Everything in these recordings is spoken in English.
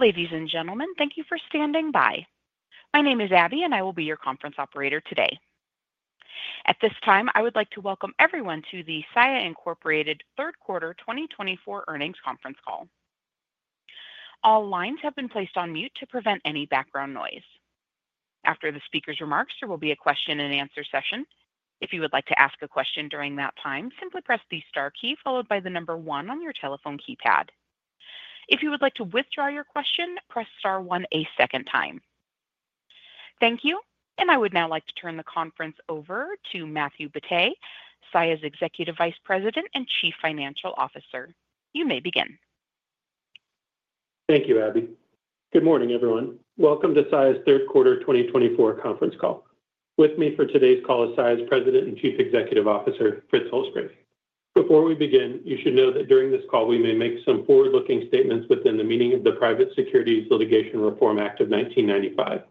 Ladies and gentlemen, thank you for standing by. My name is Abby, and I will be your conference operator today. At this time, I would like to welcome everyone to the Saia Incorporated Q3 twenty twenty-four earnings Conference Call. All lines have been placed on mute to prevent any background noise. After the speaker's remarks, there will be a question and answer session. If you would like to ask a question during that time, simply press the star key followed by the number one on your telephone keypad. If you would like to withdraw your question, press star one a second time. Thank you, and I would now like to turn the conference over to Matthew Batteh, Saia's Executive Vice President and Chief Financial Officer. You may begin. Thank you, Abby. Good morning, everyone. Welcome to Saia's Q3 twenty twenty-four Conference Call. With me for today's call is Saia's President and Chief Executive Officer, Frederick Holzgrafe. Before we begin, you should know that during this call we may make some forward-looking statements within the meaning of the Private Securities Litigation Reform Act of nineteen ninety-five.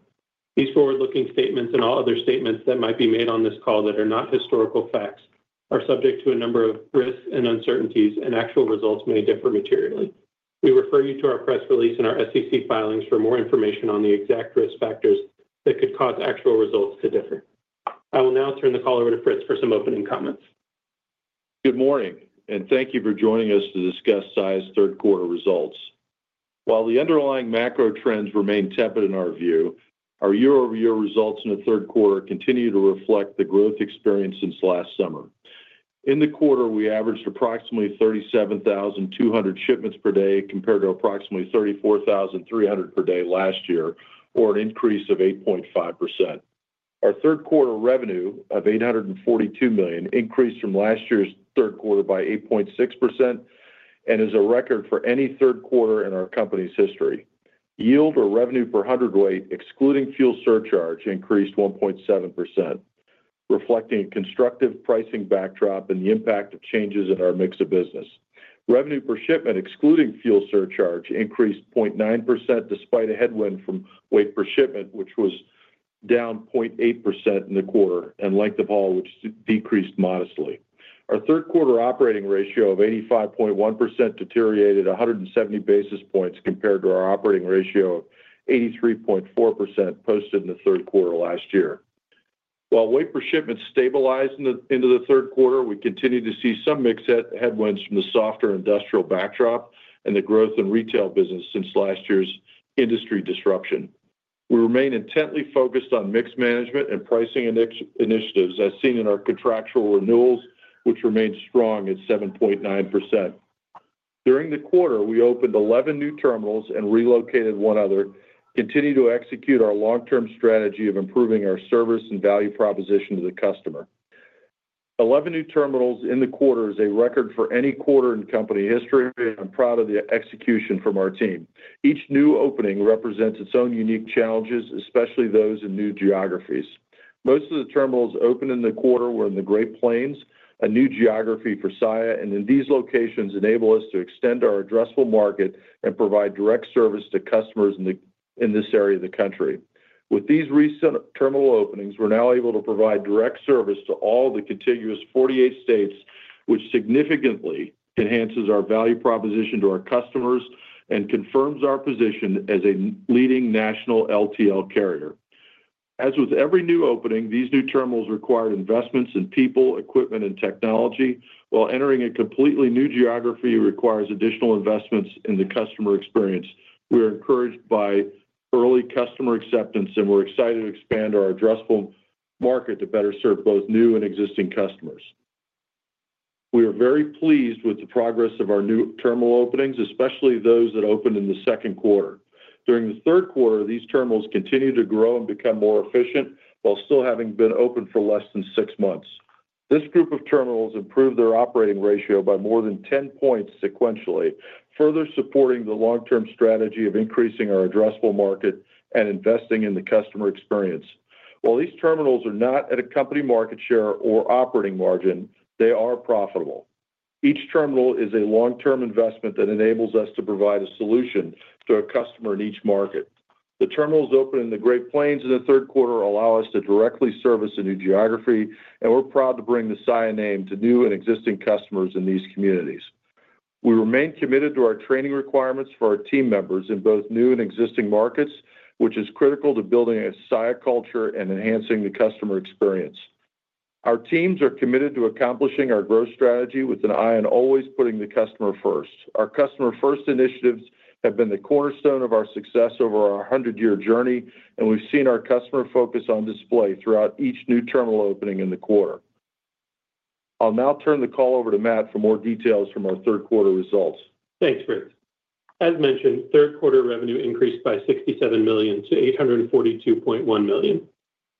These forward-looking statements and all other statements that might be made on this call that are not historical facts are subject to a number of risks and uncertainties, and actual results may differ materially. We refer you to our press release and our SEC filings for more information on the exact risk factors that could cause actual results to differ. I will now turn the call over to Frederick for some opening comments. Good morning, and thank you for joining us to discuss Saia's Q3 results. While the underlying macro trends remain tepid in our view, our year-over-year results in the Q3 continue to reflect the growth experience since last summer. In the quarter, we averaged approximately 37,200 shipments per day, compared to approximately 34,300 per day last year, or an increase of 8.5%. Our Q3 revenue of $842 million increased from last year's Q3 by 8.6% and is a record for any Q3 in our company's history. Yield or revenue per hundredweight, excluding fuel surcharge, increased 1.7%, reflecting a constructive pricing backdrop and the impact of changes in our mix of business. Revenue per shipment, excluding fuel surcharge, increased 0.9%, despite a headwind from weight per shipment, which was down 0.8% in the quarter, and length of haul, which decreased modestly. Our Q3 operating ratio of 85.1% deteriorated 170 basis points compared to our operating ratio of 83.4% posted in the Q3 last year. While weight per shipment stabilized into the Q3, we continued to see some mix headwinds from the softer industrial backdrop and the growth in retail business since last year's industry disruption. We remain intently focused on mix management and pricing initiatives, as seen in our contractual renewals, which remained strong at 7.9%. During the quarter, we opened eleven new terminals and relocated one other, continuing to execute our long-term strategy of improving our service and value proposition to the customer. Eleven new terminals in the quarter is a record for any quarter in company history, and I'm proud of the execution from our team. Each new opening represents its own unique challenges, especially those in new geographies. Most of the terminals opened in the quarter were in the Great Plains, a new geography for Saia, and in these locations enable us to extend our addressable market and provide direct service to customers in the, in this area of the country. With these recent terminal openings, we're now able to provide direct service to all the contiguous forty-eight states, which significantly enhances our value proposition to our customers and confirms our position as a leading national LTL carrier. As with every new opening, these new terminals require investments in people, equipment, and technology, while entering a completely new geography requires additional investments in the customer experience. We are encouraged by early customer acceptance, and we're excited to expand our addressable market to better serve both new and existing customers. We are very pleased with the progress of our new terminal openings, especially those that opened in the Q2. During the Q3, these terminals continued to grow and become more efficient while still having been open for less than six months. This group of terminals improved their operating ratio by more than 10 points sequentially, further supporting the long-term strategy of increasing our addressable market and investing in the customer experience. While these terminals are not at a company market share or operating margin, they are profitable. Each terminal is a long-term investment that enables us to provide a solution to a customer in each market. The terminals opened in the Great Plains in the Q3 allow us to directly service a new geography, and we're proud to bring the Saia name to new and existing customers in these communities. We remain committed to our training requirements for our team members in both new and existing markets, which is critical to building a Saia culture and enhancing the customer experience. Our teams are committed to accomplishing our growth strategy with an eye on always putting the customer first. Our customer-first initiatives have been the cornerstone of our success over our hundred-year journey, and we've seen our customer focus on display throughout each new terminal opening in the quarter. I'll now turn the call over to Matt for more details from our Q3 results. Thanks, Frederick. As mentioned, Q3 revenue increased by $67 million to $842.1 million.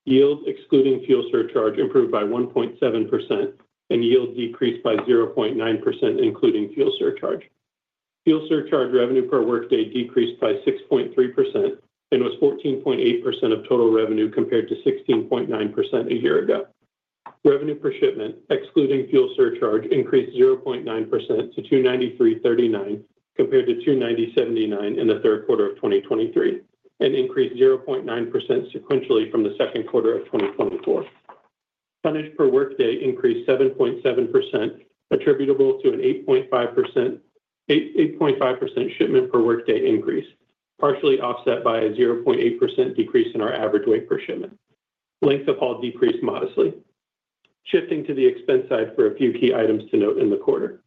Yield, excluding fuel surcharge, improved by 1.7%, and yield decreased by 0.9%, including fuel surcharge. Fuel surcharge revenue per workday decreased by 6.3% and was 14.8% of total revenue, compared to 16.9% a year ago. Revenue per shipment, excluding fuel surcharge, increased 0.9% to $293.39, compared to $290.79 in the Q3 of 2023, and increased 0.9% sequentially from the Q2 of 2024. Tonnage per workday increased 7.7%, attributable to an 8.5% shipment per workday increase, partially offset by a 0.8% decrease in our average weight per shipment. Length of haul decreased modestly. Shifting to the expense side for a few key items to note in the quarter.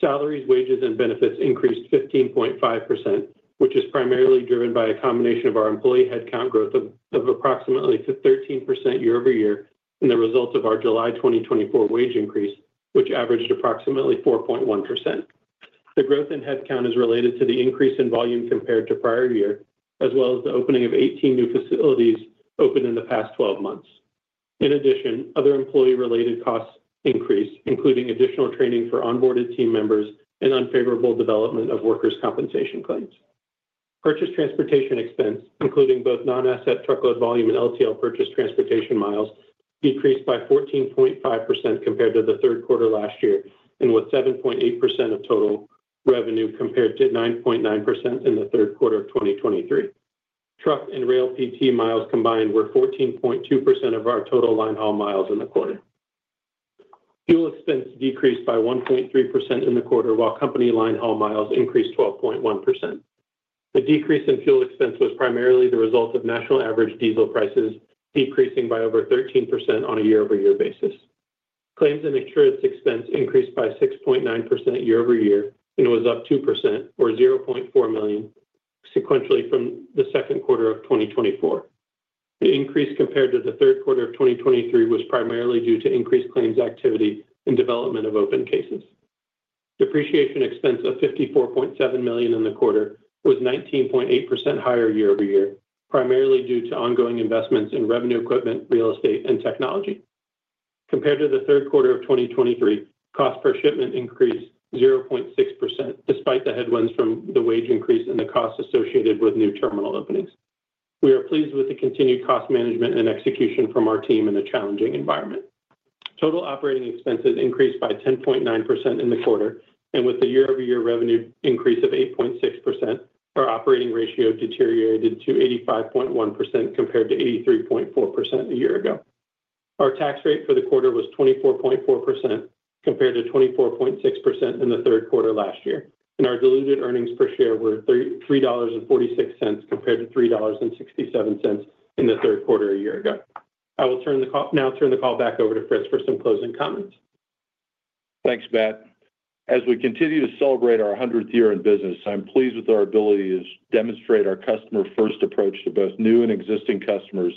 Salaries, wages, and benefits increased 15.5%, which is primarily driven by a combination of our employee headcount growth of approximately 13% year over year, and the results of our July 2024 wage increase, which averaged approximately 4.1%. The growth in headcount is related to the increase in volume compared to prior year, as well as the opening of 18 new facilities opened in the past twelve months. In addition, other employee-related costs increased, including additional training for onboarded team members and unfavorable development of workers' compensation claims. Purchased transportation expense, including both non-asset truckload volume and LTL purchase transportation miles, decreased by 14.5% compared to the Q3 last year, and was 7.8% of total revenue, compared to 9.9% in the Q3 of 2023. Truck and rail PT miles combined were 14.2% of our total line haul miles in the quarter. Fuel expense decreased by 1.3% in the quarter, while company line haul miles increased 12.1%. The decrease in fuel expense was primarily the result of national average diesel prices decreasing by over 13% on a year-over-year basis. Claims and insurance expense increased by 6.9% year over year, and was up 2%, or $0.4 million, sequentially from the Q2 of 2024. The increase compared to the Q3 of 2023 was primarily due to increased claims activity and development of open cases. Depreciation expense of $54.7 million in the quarter was 19.8% higher year over year, primarily due to ongoing investments in revenue equipment, real estate, and technology. Compared to the Q3 of 2023, cost per shipment increased 0.6%, despite the headwinds from the wage increase and the costs associated with new terminal openings. We are pleased with the continued cost management and execution from our team in a challenging environment. Total operating expenses increased by 10.9% in the quarter, and with a year-over-year revenue increase of 8.6%, our operating ratio deteriorated to 85.1%, compared to 83.4% a year ago. Our tax rate for the quarter was 24.4%, compared to 24.6% in the Q3 last year, and our diluted earnings per share were $3.46, compared to $3.67 in the Q3 a year ago. I will now turn the call back over toFrederick for some closing comments. Thanks, Matt. As we continue to celebrate our hundredth year in business, I'm pleased with our ability to demonstrate our customer-first approach to both new and existing customers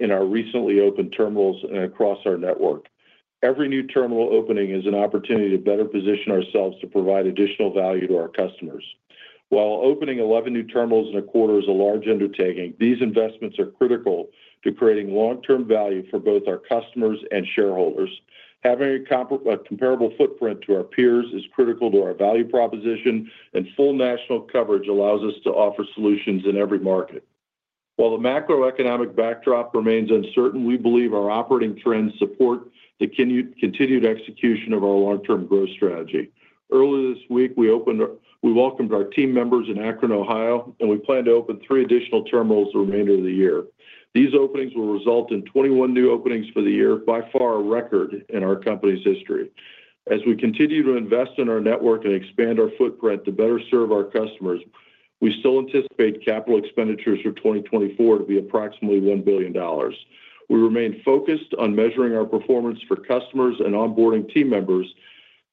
in our recently opened terminals and across our network. Every new terminal opening is an opportunity to better position ourselves to provide additional value to our customers. While opening eleven new terminals in a quarter is a large undertaking, these investments are critical to creating long-term value for both our customers and shareholders. Having a comparable footprint to our peers is critical to our value proposition, and full national coverage allows us to offer solutions in every market. While the macroeconomic backdrop remains uncertain, we believe our operating trends support the continued execution of our long-term growth strategy. Earlier this week, we opened, we welcomed our team members in Akron, Ohio, and we plan to open three additional terminals the remainder of the year. These openings will result in 21 new openings for the year, by far a record in our company's history. As we continue to invest in our network and expand our footprint to better serve our customers, we still anticipate capital expenditures for 2024 to be approximately $1 billion. We remain focused on measuring our performance for customers and onboarding team members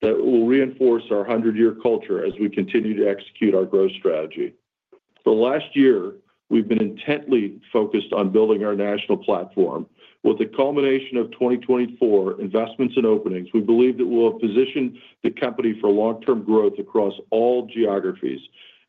that will reinforce our 100-year culture as we continue to execute our growth strategy. For the last year, we've been intently focused on building our national platform. With the culmination of 2024 investments and openings, we believe that we'll have positioned the company for long-term growth across all geographies.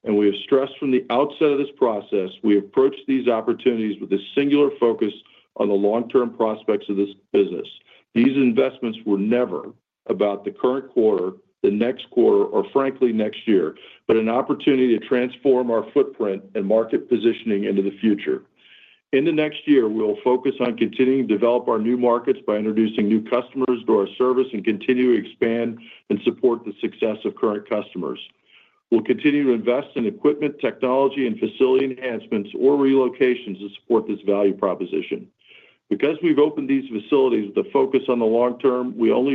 We have stressed from the outset of this process, we approach these opportunities with a singular focus on the long-term prospects of this business. These investments were never about the current quarter, the next quarter, or frankly, next year, but an opportunity to transform our footprint and market positioning into the future. In the next year, we will focus on continuing to develop our new markets by introducing new customers to our service and continue to expand and support the success of current customers. We'll continue to invest in equipment, technology, and facility enhancements or relocations to support this value proposition. Because we've opened these facilities with the focus on the long term, we've only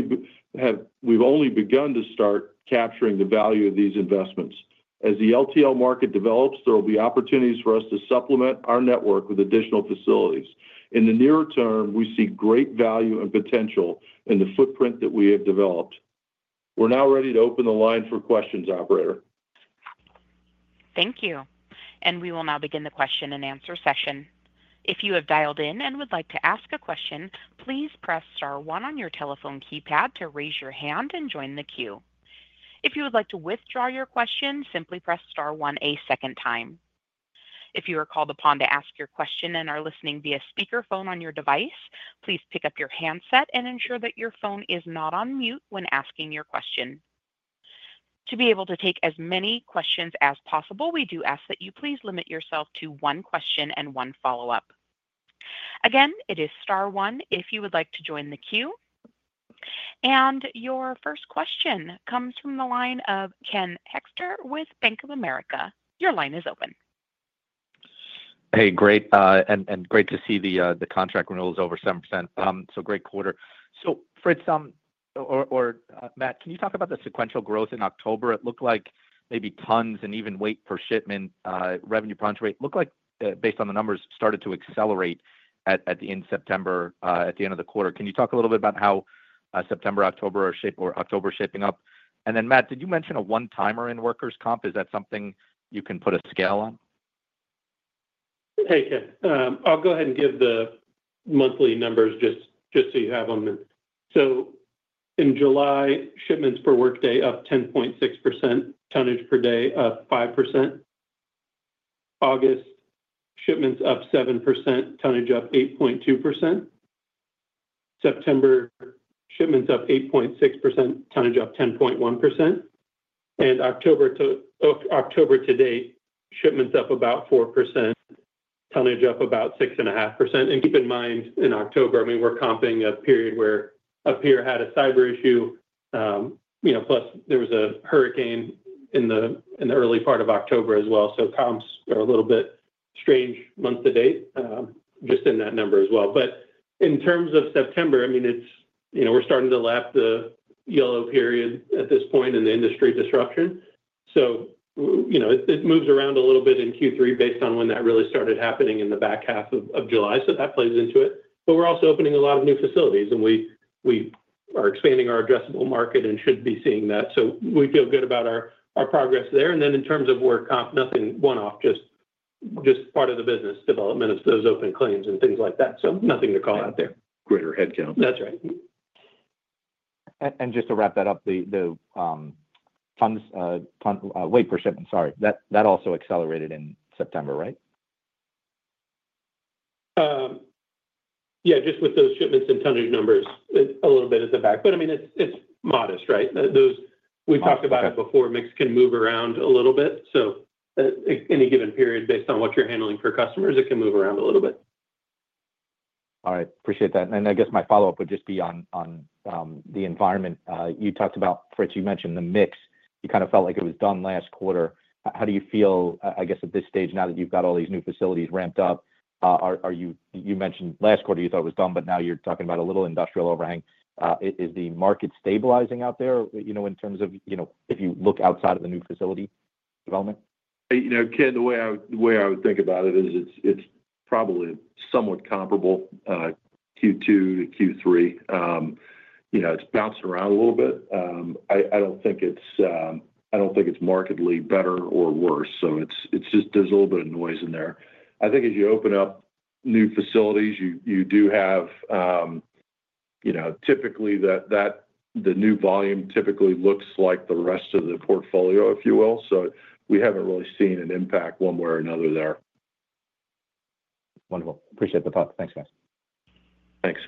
begun to start capturing the value of these investments. As the LTL market develops, there will be opportunities for us to supplement our network with additional facilities. In the nearer term, we see great value and potential in the footprint that we have developed. We're now ready to open the line for questions, operator. Thank you, and we will now begin the question and answer session. If you have dialed in and would like to ask a question, please press star one on your telephone keypad to raise your hand and join the queue. If you would like to withdraw your question, simply press star one a second time. If you are called upon to ask your question and are listening via speakerphone on your device, please pick up your handset and ensure that your phone is not on mute when asking your question. To be able to take as many questions as possible, we do ask that you please limit yourself to one question and one follow-up. Again, it is star one if you would like to join the queue, and your first question comes from the line of Ken Hoexter with Bank of America. Your line is open.... Hey, great, and great to see the contract renewals over 7%. Great quarter. Frederick, or Matt, can you talk about the sequential growth in October? It looked like maybe tons and even weight per shipment, revenue per hundredweight. Looked like, based on the numbers, started to accelerate at the end of September, at the end of the quarter. Can you talk a little bit about how September, October are shaping or October is shaping up? And then, Matt, did you mention a one-timer in workers' comp? Is that something you can put a scale on? Hey, Ken. I'll go ahead and give the monthly numbers just so you have them. So in July, shipments per workday up 10.6%, tonnage per day up 5%. August, shipments up 7%, tonnage up 8.2%. September, shipments up 8.6%, tonnage up 10.1%. And October to date, shipments up about 4%, tonnage up about 6.5%. And keep in mind, in October, I mean, we're comping a period where Yellow had a cyber issue, you know, plus there was a hurricane in the early part of October as well. So comps are a little bit strange month to date, just in that number as well. But in terms of September, I mean, it's, you know, we're starting to lap the Yellow period at this point in the industry disruption. So, you know, it moves around a little bit in Q3 based on when that really started happening in the back half of July, so that plays into it. But we're also opening a lot of new facilities, and we are expanding our addressable market and should be seeing that. So we feel good about our progress there. And then in terms of work comp, nothing one-off, just part of the business development of those open claims and things like that. So nothing to call out there. Greater headcount. That's right. And just to wrap that up, the weight per shipment, sorry, that also accelerated in September, right? Yeah, just with those shipments and tonnage numbers, it's a little bit at the back, but I mean, it's modest, right? Those we've talked about it before, mix can move around a little bit. So, any given period, based on what you're handling for customers, it can move around a little bit. All right. Appreciate that. Then, I guess my follow-up would just be on the environment. You talked about, Frederick, you mentioned the mix. You kind of felt like it was done last quarter. How do you feel, I guess, at this stage, now that you've got all these new facilities ramped up? Are you-- You mentioned last quarter you thought it was done, but now you're talking about a little industrial overhang. Is the market stabilizing out there, you know, in terms of, you know, if you look outside of the new facility development? You know, Ken, the way I would think about it is it's probably somewhat comparable, Q2 to Q3. You know, it's bouncing around a little bit. I don't think it's markedly better or worse, so it's just there's a little bit of noise in there. I think as you open up new facilities, you do have... You know, typically, the new volume typically looks like the rest of the portfolio, if you will. So we haven't really seen an impact one way or another there. Wonderful. Appreciate the thought. Thanks, guys. Thanks.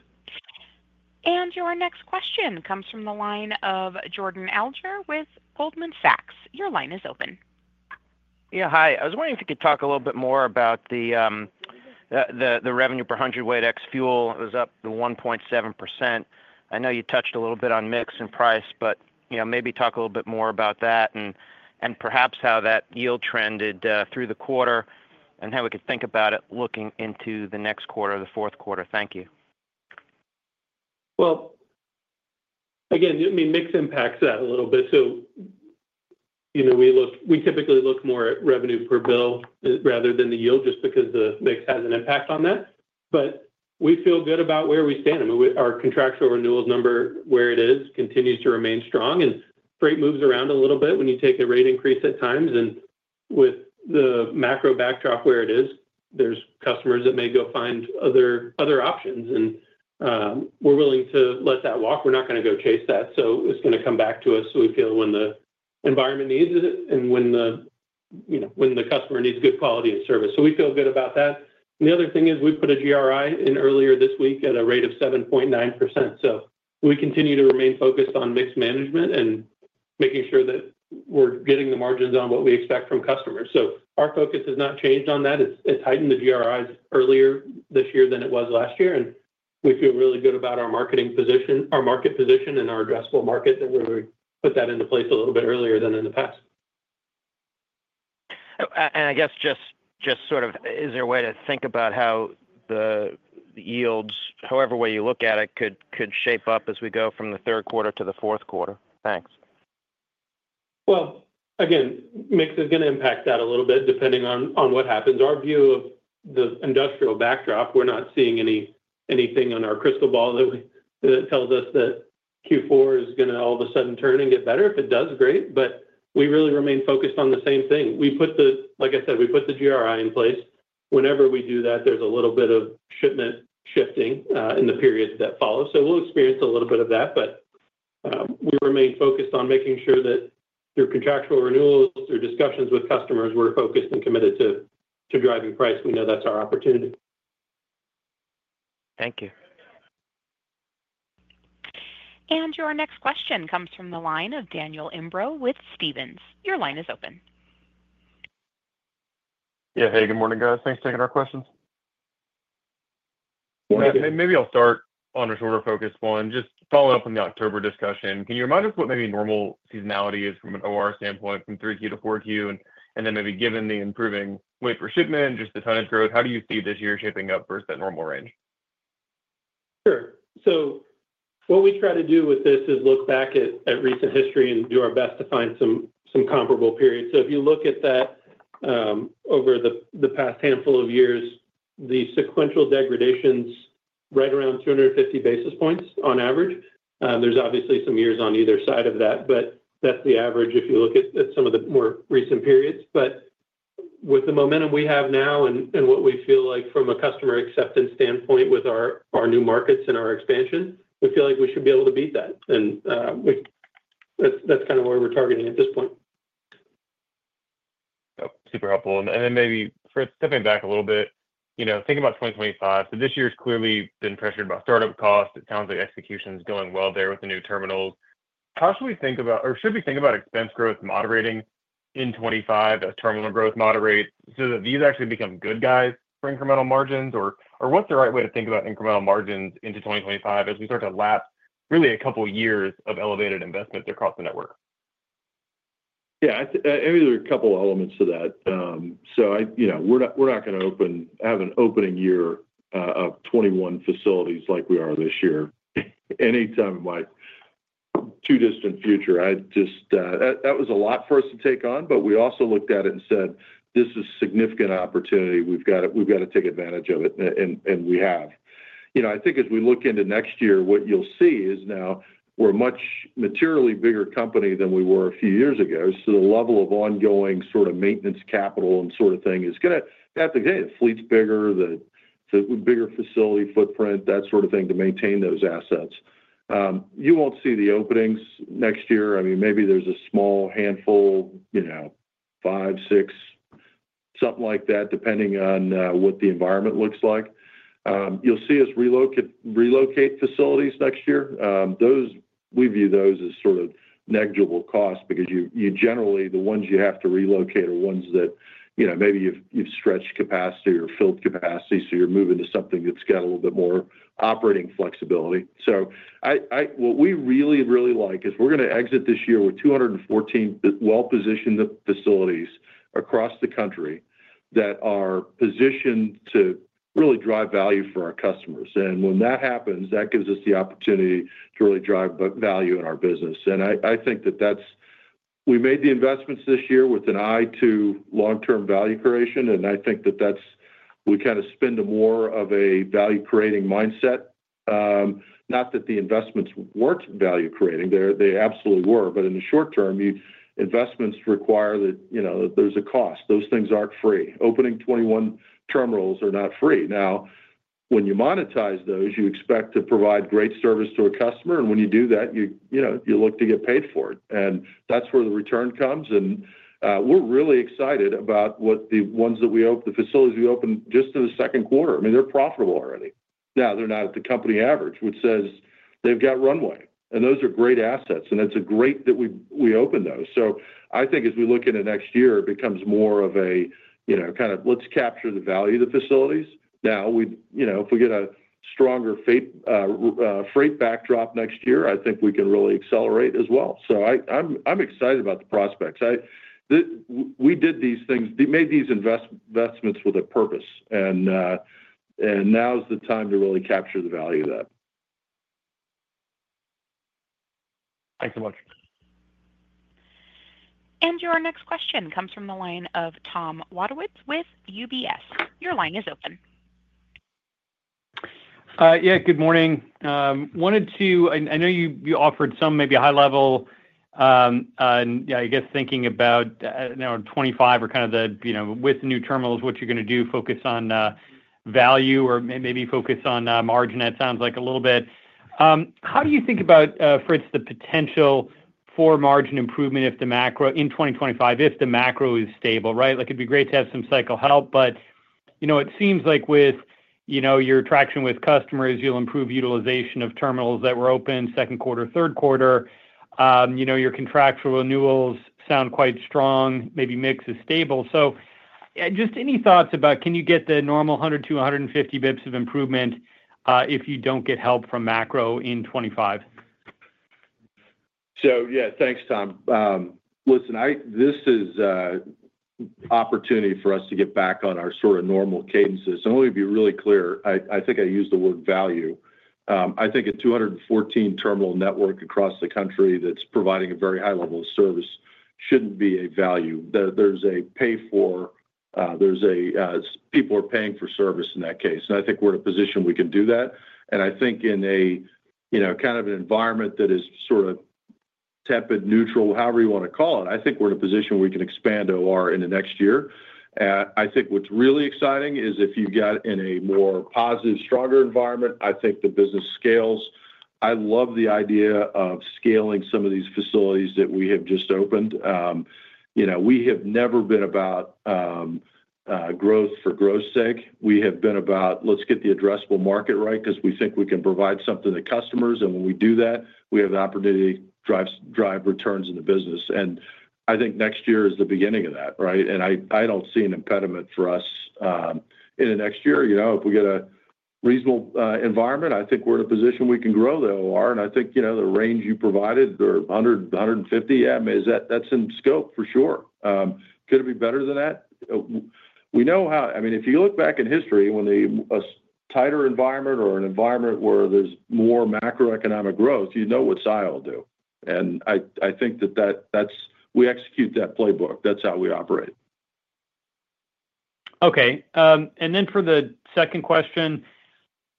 Your next question comes from the line of Jordan Alliger with Goldman Sachs. Your line is open. Yeah, hi. I was wondering if you could talk a little bit more about the revenue per hundredweight ex fuel. It was up 1.7%. I know you touched a little bit on mix and price, but, you know, maybe talk a little bit more about that and perhaps how that yield trended through the quarter, and how we could think about it looking into the next quarter, the Q4. Thank you. Again, I mean, mix impacts that a little bit. So, you know, we typically look more at revenue per bill rather than the yield, just because the mix has an impact on that. But we feel good about where we stand. I mean, we, our contractual renewals number, where it is, continues to remain strong, and freight moves around a little bit when you take a rate increase at times. And with the macro backdrop where it is, there's customers that may go find other options, and we're willing to let that walk. We're not gonna go chase that, so it's gonna come back to us. So we feel when the environment needs it and when the, you know, when the customer needs good quality of service. So we feel good about that. The other thing is we put a GRI in earlier this week at a rate of 7.9%. So we continue to remain focused on mix management and making sure that we're getting the margins on what we expect from customers. So our focus has not changed on that. It's, it's heightened the GRIs earlier this year than it was last year, and we feel really good about our marketing position, our market position and our addressable market, and we put that into place a little bit earlier than in the past. And I guess just sort of, is there a way to think about how the yields, however way you look at it, could shape up as we go from the Q3 to the Q4? Thanks. Well, again, mix is gonna impact that a little bit, depending on what happens. Our view of the industrial backdrop, we're not seeing anything on our crystal ball that tells us that Q4 is gonna all of a sudden turn and get better. If it does, great, but we really remain focused on the same thing. Like I said, we put the GRI in place. Whenever we do that, there's a little bit of shipment shifting in the periods that follow. So we'll experience a little bit of that, but we remain focused on making sure that through contractual renewals, through discussions with customers, we're focused and committed to driving price. We know that's our opportunity. Thank you. Your next question comes from the line of Daniel Imbro with Stephens. Your line is open. Yeah. Hey, good morning, guys. Thanks for taking our questions. Maybe I'll start on a sort of focused one. Just follow up on the October discussion. Can you remind us what maybe normal seasonality is from an OR standpoint, from three Q to four Q? And then maybe given the improving weight per shipment and just the tonnage growth, how do you see this year shaping up versus that normal range? Sure. So what we try to do with this is look back at recent history and do our best to find some comparable periods. So if you look at that, over the past handful of years, the sequential degradation's right around 250 basis points on average. There's obviously some years on either side of that, but that's the average, if you look at some of the more recent periods. But with the momentum we have now and what we feel like from a customer acceptance standpoint with our new markets and our expansion, we feel like we should be able to beat that. And that's kind of where we're targeting at this point. Oh, super helpful. And then maybe for stepping back a little bit, you know, thinking about 2025, so this year's clearly been pressured by startup costs. It sounds like execution is going well there with the new terminals. How should we think about or should we think about expense growth moderating in 2025 as terminal growth moderates, so that these actually become good guys for incremental margins? Or, or what's the right way to think about incremental margins into 2025 as we start to lap really a couple of years of elevated investment across the network? Yeah, I think there are a couple of elements to that. So you know, we're not, we're not going to open have an opening year of twenty-one facilities like we are this year, anytime in my too distant future. I just, that was a lot for us to take on, but we also looked at it and said, "This is significant opportunity. We've got to, we've got to take advantage of it," and we have. You know, I think as we look into next year, what you'll see is now we're a much materially bigger company than we were a few years ago. So the level of ongoing sort of maintenance, capital, and sort of thing is gonna have to. Hey, the fleet's bigger, the bigger facility footprint, that sort of thing, to maintain those assets. You won't see the openings next year. I mean, maybe there's a small handful, you know, five, six, something like that, depending on what the environment looks like. You'll see us relocate facilities next year. Those we view as sort of negligible costs because you generally, the ones you have to relocate are ones that, you know, maybe you've stretched capacity or filled capacity, so you're moving to something that's got a little bit more operating flexibility. So what we really, really like is we're going to exit this year with 214 well-positioned facilities across the country that are positioned to really drive value for our customers. And when that happens, that gives us the opportunity to really drive value in our business. And I think that that's... We made the investments this year with an eye to long-term value creation, and I think that that's. We kind of spend more of a value-creating mindset. Not that the investments weren't value creating. They, they absolutely were. But in the short term, investments require that, you know, there's a cost. Those things aren't free. Opening 21 terminals are not free. Now, when you monetize those, you expect to provide great service to a customer, and when you do that, you, you know, you look to get paid for it. And that's where the return comes, and we're really excited about what the ones that we opened, the facilities we opened just in the Q2. I mean, they're profitable already. Now, they're not at the company average, which says they've got runway, and those are great assets, and it's great that we, we opened those. So I think as we look into next year, it becomes more of a, you know, kind of let's capture the value of the facilities. Now, you know, if we get a stronger freight backdrop next year, I think we can really accelerate as well. So I'm excited about the prospects. We did these things, we made these investments with a purpose, and now is the time to really capture the value of that. Thanks so much. And your next question comes from the line ofThomas Wadewitz with UBS. Your line is open. Yeah, good morning. I know you offered some maybe high level, and yeah, I guess thinking about now in 2025 or kind of the, you know, with the new terminals, what you're going to do, focus on value or maybe focus on margin. That sounds like a little bit. How do you think about what's the potential for margin improvement if the macro in 2025, if the macro is stable, right? Like, it'd be great to have some cycle help, but you know, it seems like with your traction with customers, you'll improve utilization of terminals that were open Q2, Q3. You know, your contractual renewals sound quite strong, maybe mix is stable. So, just any thoughts about can you get the normal hundred to two hundred and fifty basis points of improvement, if you don't get help from macro in twenty-five? Yeah. Thanks, Thomas. Listen, this is an opportunity for us to get back on our sort of normal cadences. Let me be really clear. I think I used the word value. I think a 214 terminal network across the country that's providing a very high level of service shouldn't be a value. There's a pay for. There's a, people are paying for service in that case, and I think we're in a position we can do that. I think in a you know, kind of an environment that is sort of tepid, neutral, however you want to call it, I think we're in a position where we can expand OR into next year. I think what's really exciting is if you get in a more positive, stronger environment, I think the business scales. I love the idea of scaling some of these facilities that we have just opened. You know, we have never been about growth for growth's sake. We have been about, let's get the addressable market right, because we think we can provide something to customers. When we do that, we have an opportunity to drive returns in the business. I think next year is the beginning of that, right? I don't see an impediment for us in the next year. You know, if we get a reasonable environment, I think we're in a position we can grow the OR, and I think, you know, the range you provided, the 100-150, that's in scope for sure. Could it be better than that? We know how. I mean, if you look back in history, when a tighter environment or an environment where there's more macroeconomic growth, you know what Saia will do. And I think that's... We execute that playbook. That's how we operate. Okay. And then for the second question: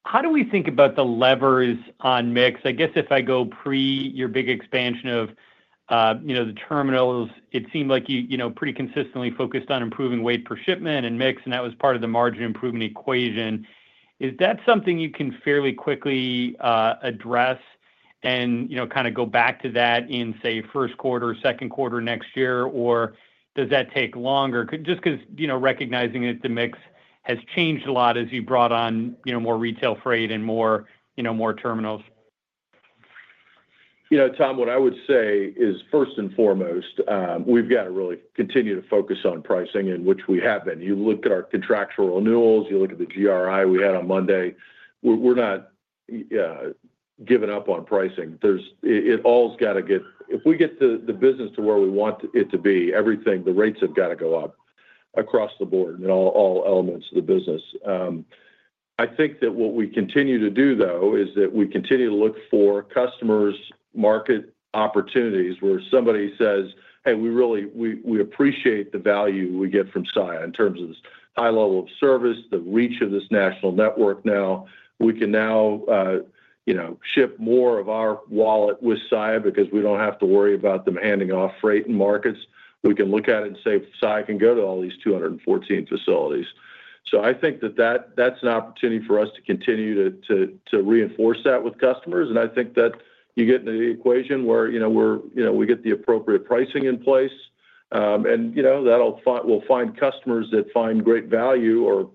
How do we think about the levers on mix? I guess if I go pre your big expansion of, you know, the terminals, it seemed like you, you know, pretty consistently focused on improving weight per shipment and mix, and that was part of the margin improvement equation. Is that something you can fairly quickly, address and, you know, kind of go back to that in, say, Q1 or Q2 next year? Or does that take longer? Just 'cause, you know, recognizing that the mix has changed a lot as you brought on, you know, more retail freight and more, you know, more terminals. You know, Thomas, what I would say is, first and foremost, we've got to really continue to focus on pricing, and which we have been. You look at our contractual renewals, you look at the GRI we had on Monday, we're not giving up on pricing. There's it all has got to get. If we get the business to where we want it to be, everything, the rates have got to go up across the board in all elements of the business. I think that what we continue to do, though, is that we continue to look for customers, market opportunities, where somebody says, "Hey, we really appreciate the value we get from Saia in terms of this high level of service, the reach of this national network now. We can now, you know, ship more of our wallet with Saia because we don't have to worry about them handing off freight and markets. We can look at it and say, "Saia can go to all these two hundred and fourteen facilities," so I think that's an opportunity for us to continue to reinforce that with customers, and I think that you get into the equation where, you know, we're, you know, we get the appropriate pricing in place, and, you know, that'll find, we'll find customers that find great value or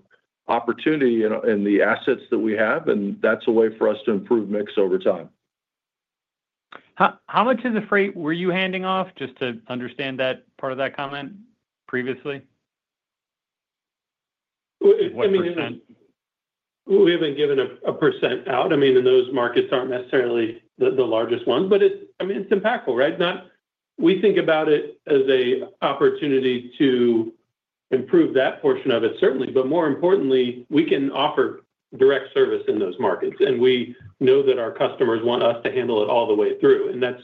opportunity in the assets that we have, and that's a way for us to improve mix over time. How much of the freight were you handing off, just to understand that part of that comment previously? What %?We haven't given a percent out. I mean, and those markets aren't necessarily the largest ones, but it's, I mean, it's impactful, right? Not. We think about it as an opportunity to improve that portion of it, certainly, but more importantly, we can offer direct service in those markets, and we know that our customers want us to handle it all the way through, and that's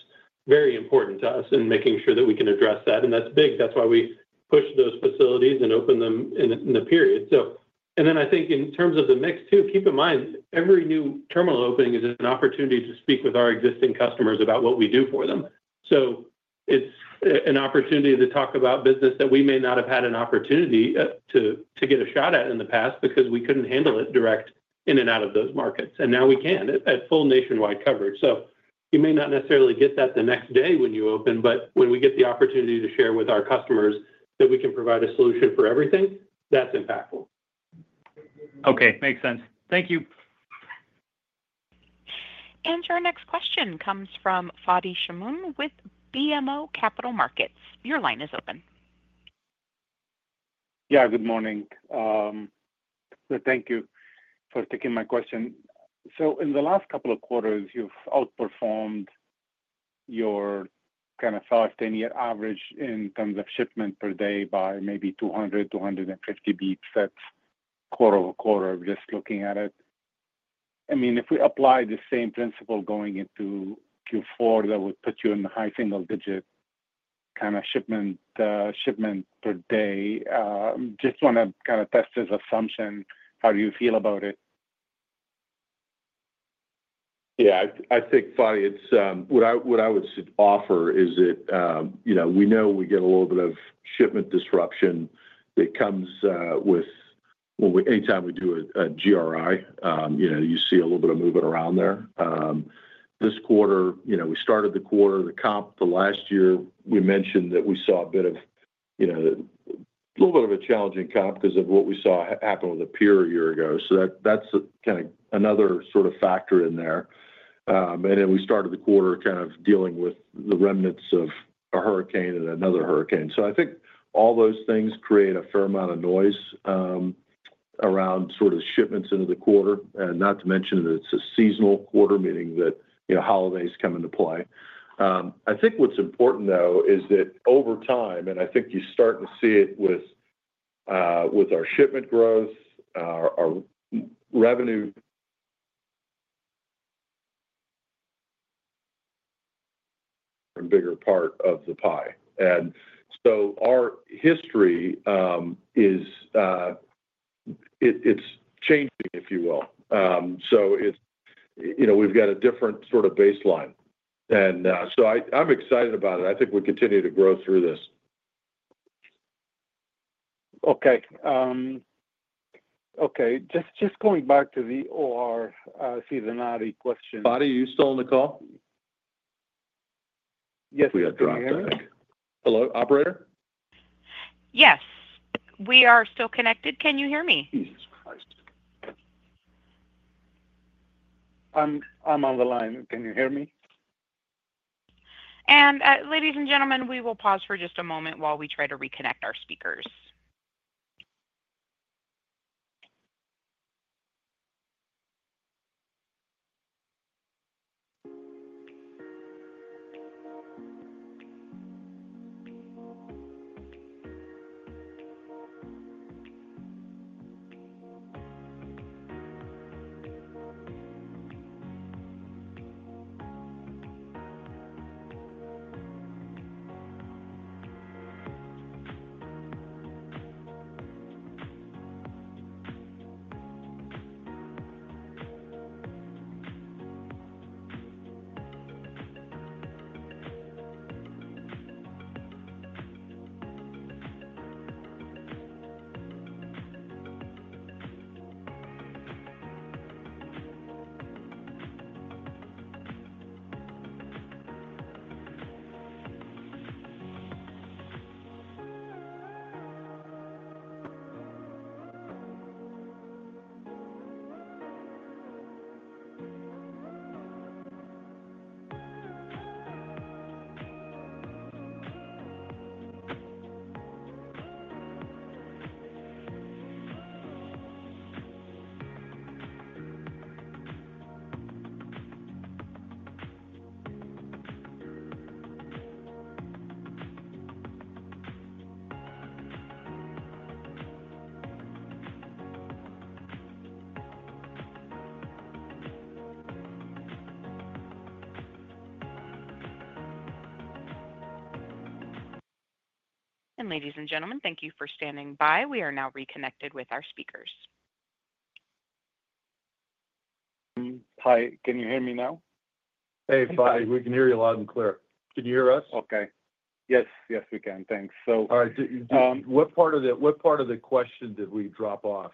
very important to us in making sure that we can address that, and that's big. That's why we pushed those facilities and opened them in the period, so... and then I think in terms of the mix, too, keep in mind, every new terminal opening is an opportunity to speak with our existing customers about what we do for them. So it's an opportunity to talk about business that we may not have had an opportunity to get a shot at in the past because we couldn't handle it direct in and out of those markets, and now we can at full nationwide coverage. So you may not necessarily get that the next day when you open, but when we get the opportunity to share with our customers that we can provide a solution for everything, that's impactful. Okay, makes sense. Thank you. Our next question comes from Fadi Chamoun with BMO Capital Markets. Your line is open. Yeah, good morning. So thank you for taking my question. So in the last couple of quarters, you've outperformed your kind of five, ten-year average in terms of shipment per day by maybe two hundred, two hundred and fifty basis points. That's quarter over quarter, just looking at it. I mean, if we apply the same principle going into Q4, that would put you in the high single digit kind of shipment per day. Just want to kind of test this assumption. How do you feel about it? Yeah, I think, Fadi, it's... What I would offer is that, you know, we know we get a little bit of shipment disruption that comes with, well, anytime we do a GRI, you know, you see a little bit of movement around there. This quarter, you know, we started the quarter, the comp, the last year, we mentioned that we saw a bit of, you know, a little bit of a challenging comp because of what we saw happen with the peer a year ago. So that's kind of another sort of factor in there. And then we started the quarter kind of dealing with the remnants of a hurricane and another hurricane. So I think all those things create a fair amount of noise around sort of shipments into the quarter, and not to mention that it's a seasonal quarter, meaning that, you know, holidays come into play. I think what's important, though, is that over time, and I think you're starting to see it with our shipment growth, our revenue from bigger part of the pie. And so our history is, it's changing, if you will. So it's, you know, we've got a different sort of baseline. And so I'm excited about it. I think we continue to grow through this. Okay, just going back to the OR seasonality question? Fadi, are you still on the call? Yes. We got dropped there. Hello, operator? Yes, we are still connected. Can you hear me?... I'm on the line. Can you hear me? And, ladies and gentlemen, we will pause for just a moment while we try to reconnect our speakers. And ladies and gentlemen, thank you for standing by. We are now reconnected with our speakers. Hi, can you hear me now? Hey, Fadi. We can hear you loud and clear. Can you hear us? Okay. Yes. Yes, we can. Thanks. So, All right. What part of the, what part of the question did we drop off?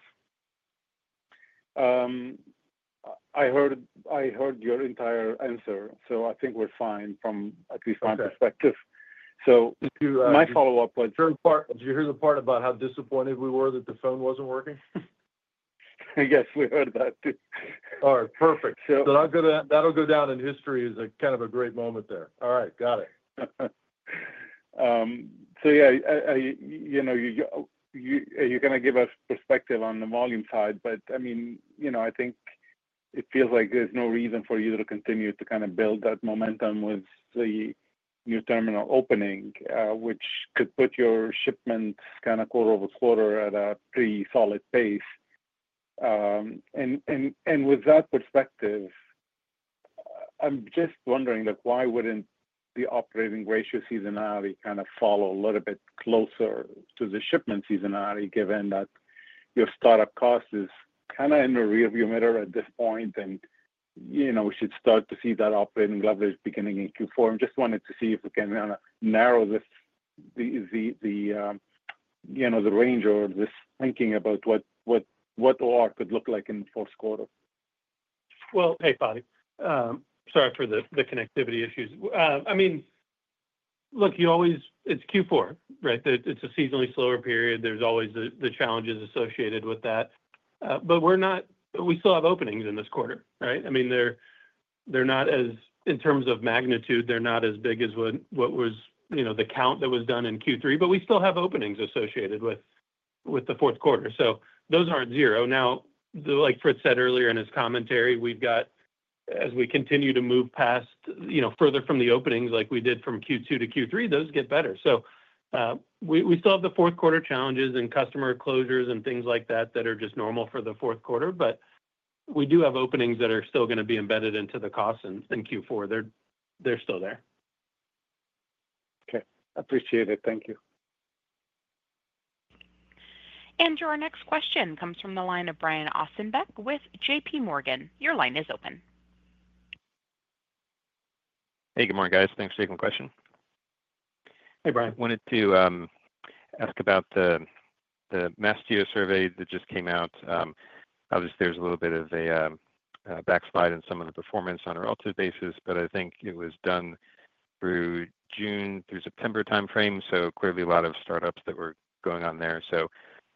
I heard your entire answer, so I think we're fine from at least- Okay my perspective. So, to My follow-up question, Fadi, did you hear the part about how disappointed we were that the phone wasn't working? Yes, we heard that too. All right, perfect. So- That'll go down, that'll go down in history as a kind of a great moment there. All right, got it. So yeah, you know, you're gonna give us perspective on the volume side, but, I mean, you know, I think it feels like there's no reason for you to continue to kinda build that momentum with the new terminal opening, which could put your shipments kinda quarter over quarter at a pretty solid pace. And with that perspective, I'm just wondering, like, why wouldn't the operating ratio seasonality kinda follow a little bit closer to the shipment seasonality, given that your startup cost is kinda in the rearview mirror at this point, and, you know, we should start to see that operating leverage beginning in Q4? I just wanted to see if we can kinda narrow this, you know, the range or this thinking about what OR could look like in the Q4. Hey, Fadi. Sorry for the connectivity issues. I mean, look, you always... It's Q4, right? It's a seasonally slower period. There's always the challenges associated with that, but we're not we still have openings in this quarter, right? I mean, they're not as, in terms of magnitude, they're not as big as what was, you know, the count that was done in Q3, but we still have openings associated with the Q4, so those aren't zero. Now, Like Frederick said earlier in his commentary, we've got as we continue to move past, you know, further from the openings like we did from Q2 to Q3, those get better. We still have the Q4 challenges and customer closures and things like that that are just normal for the Q4, but we do have openings that are still gonna be embedded into the costs in Q4. They're still there. Okay, appreciate it. Thank you. Our next question comes from the line of Brian Ossenbeck with J.P. Morgan. Your line is open. Hey, good morning, guys. Thanks for taking my question. Hey, Brian. I wanted to ask about the Mastio survey that just came out. Obviously, there's a little bit of a backslide in some of the performance on a relative basis, but I think it was done through June through September timeframe, so clearly a lot of startups that were going on there. So,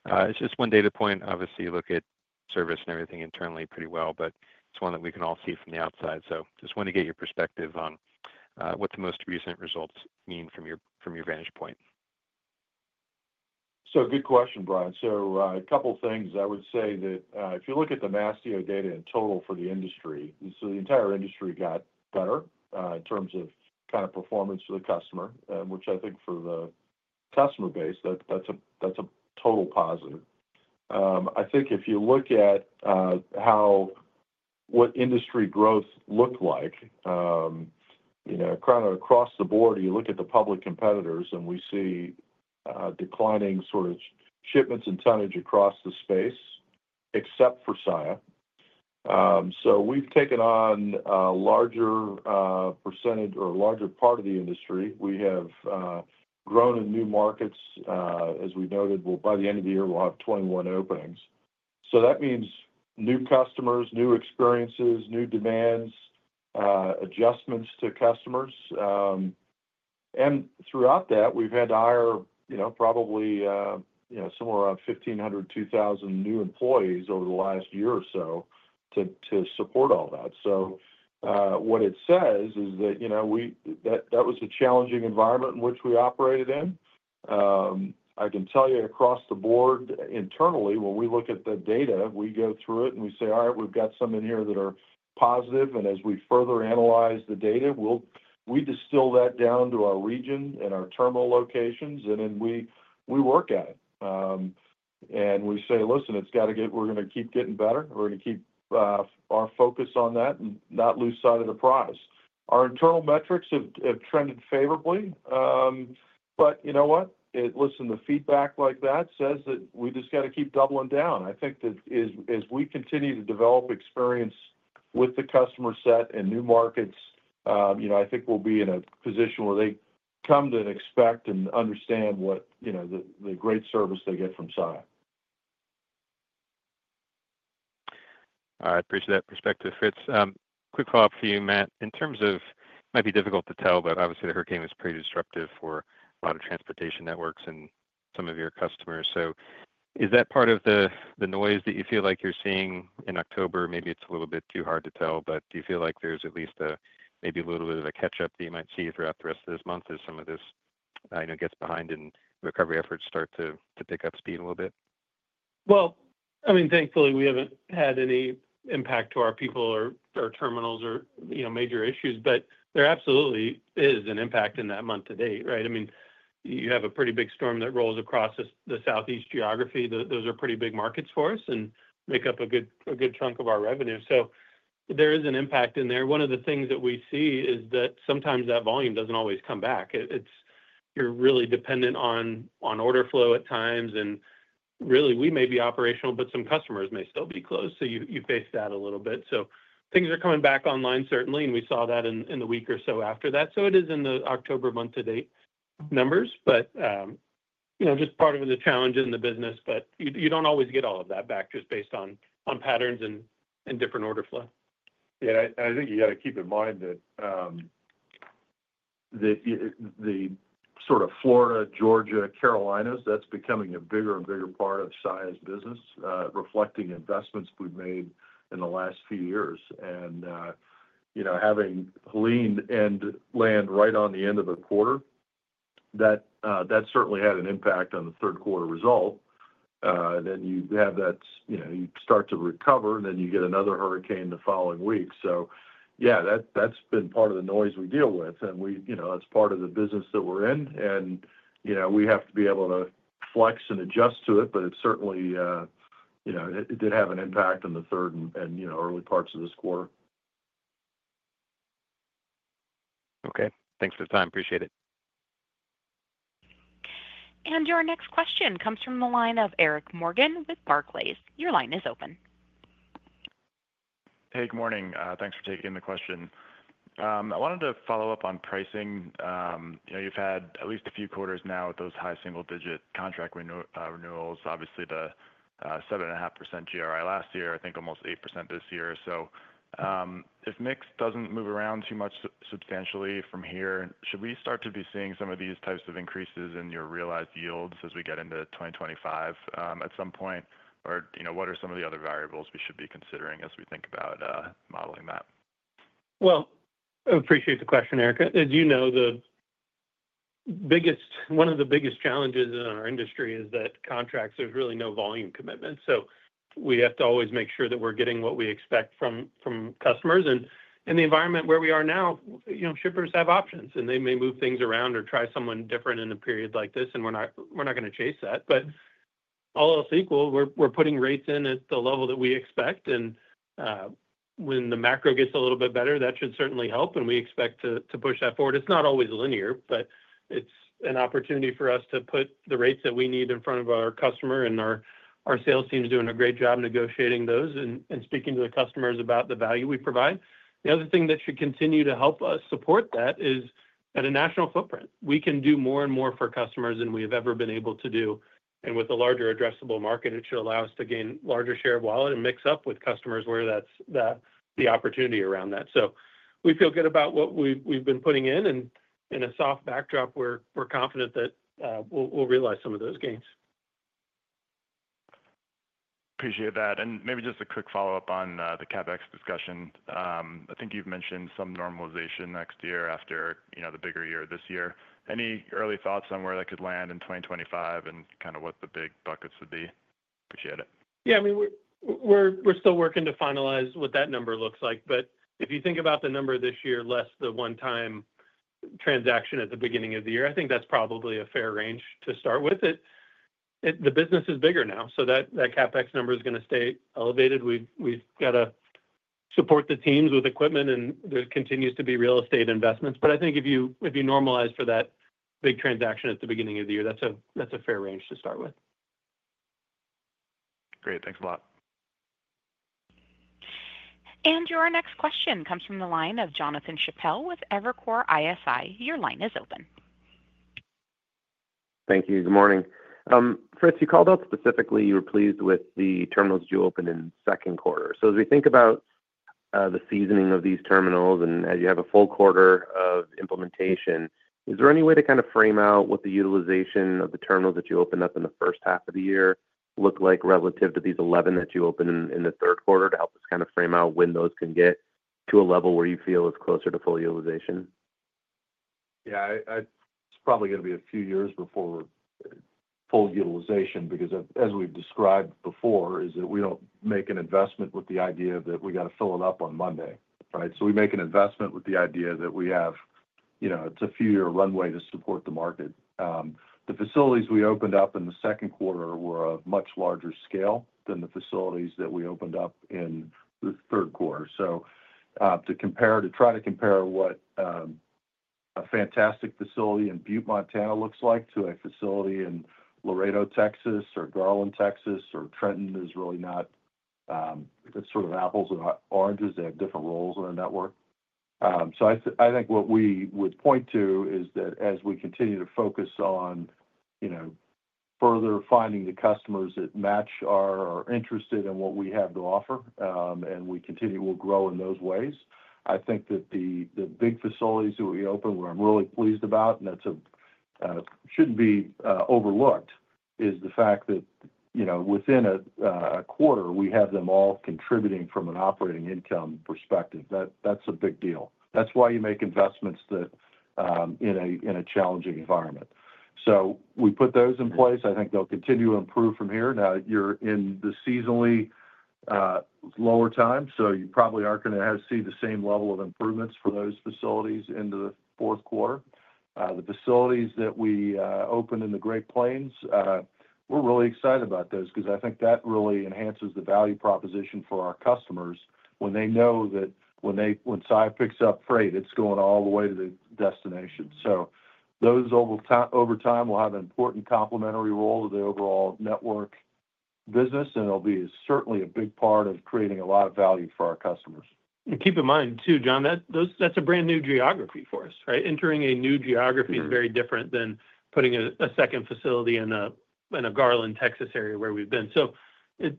it's just one data point. Obviously, you look at service and everything internally pretty well, but it's one that we can all see from the outside. So just wanted to get your perspective on what the most recent results mean from your vantage point. So good question, Brian. So, a couple things. I would say that, if you look at the Mastio data in total for the industry, so the entire industry got better, in terms of kind of performance to the customer, which I think for the customer base, that's a total positive. I think if you look at what industry growth looked like, you know, kinda across the board, you look at the public competitors, and we see, declining sort of shipments and tonnage across the space, except for Saia. So we've taken on a larger, percentage or larger part of the industry. We have grown in new markets. As we noted, well, by the end of the year, we'll have 21 openings. So that means new customers, new experiences, new demands, adjustments to customers. Throughout that, we've had to hire, you know, probably, you know, somewhere around 1,500-2,000 new employees over the last year or so to support all that. What it says is that, you know, that was a challenging environment in which we operated in. I can tell you across the board internally, when we look at the data, we go through it and we say, "All right, we've got some in here that are positive." As we further analyze the data, we distill that down to our region and our terminal locations, and then we work at it. We say, "Listen, it's gotta. We're gonna keep getting better. We're gonna keep our focus on that and not lose sight of the prize." Our internal metrics have trended favorably, but you know what? Listen, the feedback like that says that we just gotta keep doubling down. I think that as we continue to develop experience with the customer set and new markets, you know, I think we'll be in a position where they come to expect and understand what the great service they get from Saia. All right, appreciate that perspective, Frederick. Quick follow-up for you, Matt. In terms of, it might be difficult to tell, but obviously, the hurricane was pretty disruptive for a lot of transportation networks and some of your customers. So is that part of the noise that you feel like you're seeing in October? Maybe it's a little bit too hard to tell, but do you feel like there's at least a, maybe a little bit of a catch-up that you might see throughout the rest of this month as some of this you know gets behind and recovery efforts start to pick up speed a little bit? I mean, thankfully, we haven't had any impact to our people or terminals or, you know, major issues, but there absolutely is an impact in that month to date, right? I mean, you have a pretty big storm that rolls across the Southeast geography. Those are pretty big markets for us and make up a good chunk of our revenue. So there is an impact in there. One of the things that we see is that sometimes that volume doesn't always come back. It's... You're really dependent on order flow at times, and really, we may be operational, but some customers may still be closed, so you face that a little bit. So things are coming back online, certainly, and we saw that in the week or so after that. So it is in the October month to date numbers, but, you know, just part of the challenge in the business. But you don't always get all of that back just based on patterns and different order flow. Yeah, and I think you gotta keep in mind that the sort of Florida, Georgia, Carolinas, that's becoming a bigger and bigger part of Saia's business, reflecting investments we've made in the last few years. And you know, having Helene land right on the end of the quarter, that certainly had an impact on the Q3 result. Then you have that. You know, you start to recover, and then you get another hurricane the following week. So yeah, that's been part of the noise we deal with, and we, you know, that's part of the business that we're in. And you know, we have to be able to flex and adjust to it, but it certainly, you know, it did have an impact on the third and early parts of this quarter. Okay. Thanks for the time. Appreciate it. Your next question comes from the line of Eric Morgan with Barclays. Your line is open. Hey, good morning. Thanks for taking the question. I wanted to follow up on pricing. You know, you've had at least a few quarters now with those high single-digit contract renewals, obviously the seven and a half percent GRI last year, I think almost eight percent this year. So, if mix doesn't move around too much substantially from here, should we start to be seeing some of these types of increases in your realized yields as we get into 2025 at some point? Or, you know, what are some of the other variables we should be considering as we think about modeling that? I appreciate the question, Eric. As you know, the biggest, one of the biggest challenges in our industry is that contracts, there's really no volume commitment, so we have to always make sure that we're getting what we expect from customers. And the environment where we are now, you know, shippers have options, and they may move things around or try someone different in a period like this, and we're not gonna chase that. But all else equal, we're putting rates in at the level that we expect, and when the macro gets a little bit better, that should certainly help, and we expect to push that forward. It's not always linear, but it's an opportunity for us to put the rates that we need in front of our customer, and our sales team is doing a great job negotiating those and speaking to the customers about the value we provide. The other thing that should continue to help us support that is at a national footprint. We can do more and more for customers than we've ever been able to do, and with a larger addressable market, it should allow us to gain larger share of wallet and mix up with customers where that's the opportunity around that, so we feel good about what we've been putting in, and in a soft backdrop, we're confident that we'll realize some of those gains. Appreciate that, and maybe just a quick follow-up on the CapEx discussion. I think you've mentioned some normalization next year after, you know, the bigger year this year. Any early thoughts on where that could land in twenty twenty-five and kind of what the big buckets would be? Appreciate it. Yeah, I mean, we're still working to finalize what that number looks like. But if you think about the number this year, less the one-time transaction at the beginning of the year, I think that's probably a fair range to start with. The business is bigger now, so that CapEx number is gonna stay elevated. We've got to support the teams with equipment, and there continues to be real estate investments. But I think if you normalize for that big transaction at the beginning of the year, that's a fair range to start with. Great. Thanks a lot. Your next question comes from the line of Jonathan Chappell with Evercore ISI. Your line is open.... Thank you. Good morning. Fritz, you called out specifically, you were pleased with the terminals you opened in the Q2. So as we think about the seasoning of these terminals and as you have a full quarter of implementation, is there any way to kind of frame out what the utilization of the terminals that you opened up in the first half of the year look like relative to these 11 that you opened in the Q3, to help us kind of frame out when those can get to a level where you feel it's closer to full utilization? Yeah, It's probably going to be a few years before full utilization, because we've described before, is that we don't make an investment with the idea that we got to fill it up on Monday, right? So we make an investment with the idea that we have, you know, it's a few-year runway to support the market. The facilities we opened up in the Q2 were of much larger scale than the facilities that we opened up in the Q3. So, to try to compare what a fantastic facility in Butte, Montana, looks like to a facility in Laredo, Texas, or Garland, Texas, or Trenton is really not. It's sort of apples and oranges. They have different roles in our network. So I think what we would point to is that as we continue to focus on, you know, further finding the customers that match or are interested in what we have to offer, and we continue, we'll grow in those ways. I think that the big facilities that we opened, where I'm really pleased about, and that shouldn't be overlooked, is the fact that, you know, within a quarter, we have them all contributing from an operating income perspective. That's a big deal. That's why you make investments that in a challenging environment. So we put those in place. I think they'll continue to improve from here. Now, you're in the seasonally lower time, so you probably are going to have to see the same level of improvements for those facilities into the Q4. The facilities that we opened in the Great Plains, we're really excited about those because I think that really enhances the value proposition for our customers when they know that when Saia picks up freight, it's going all the way to the destination. So those over time will have an important complementary role to the overall network business, and it'll be certainly a big part of creating a lot of value for our customers. And keep in mind, too, John, that that's a brand-new geography for us, right? Entering a new geography- Mm-hmm. is very different than putting a second facility in a Garland, Texas, area where we've been. So it...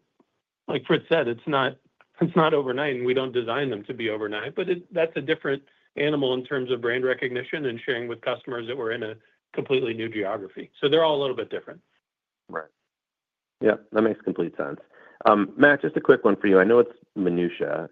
LikeFrederick said, it's not overnight, and we don't design them to be overnight, but it, that's a different animal in terms of brand recognition and sharing with customers that we're in a completely new geography. So they're all a little bit different. Right. Yeah, that makes complete sense. Matt, just a quick one for you. I know it's minutiae,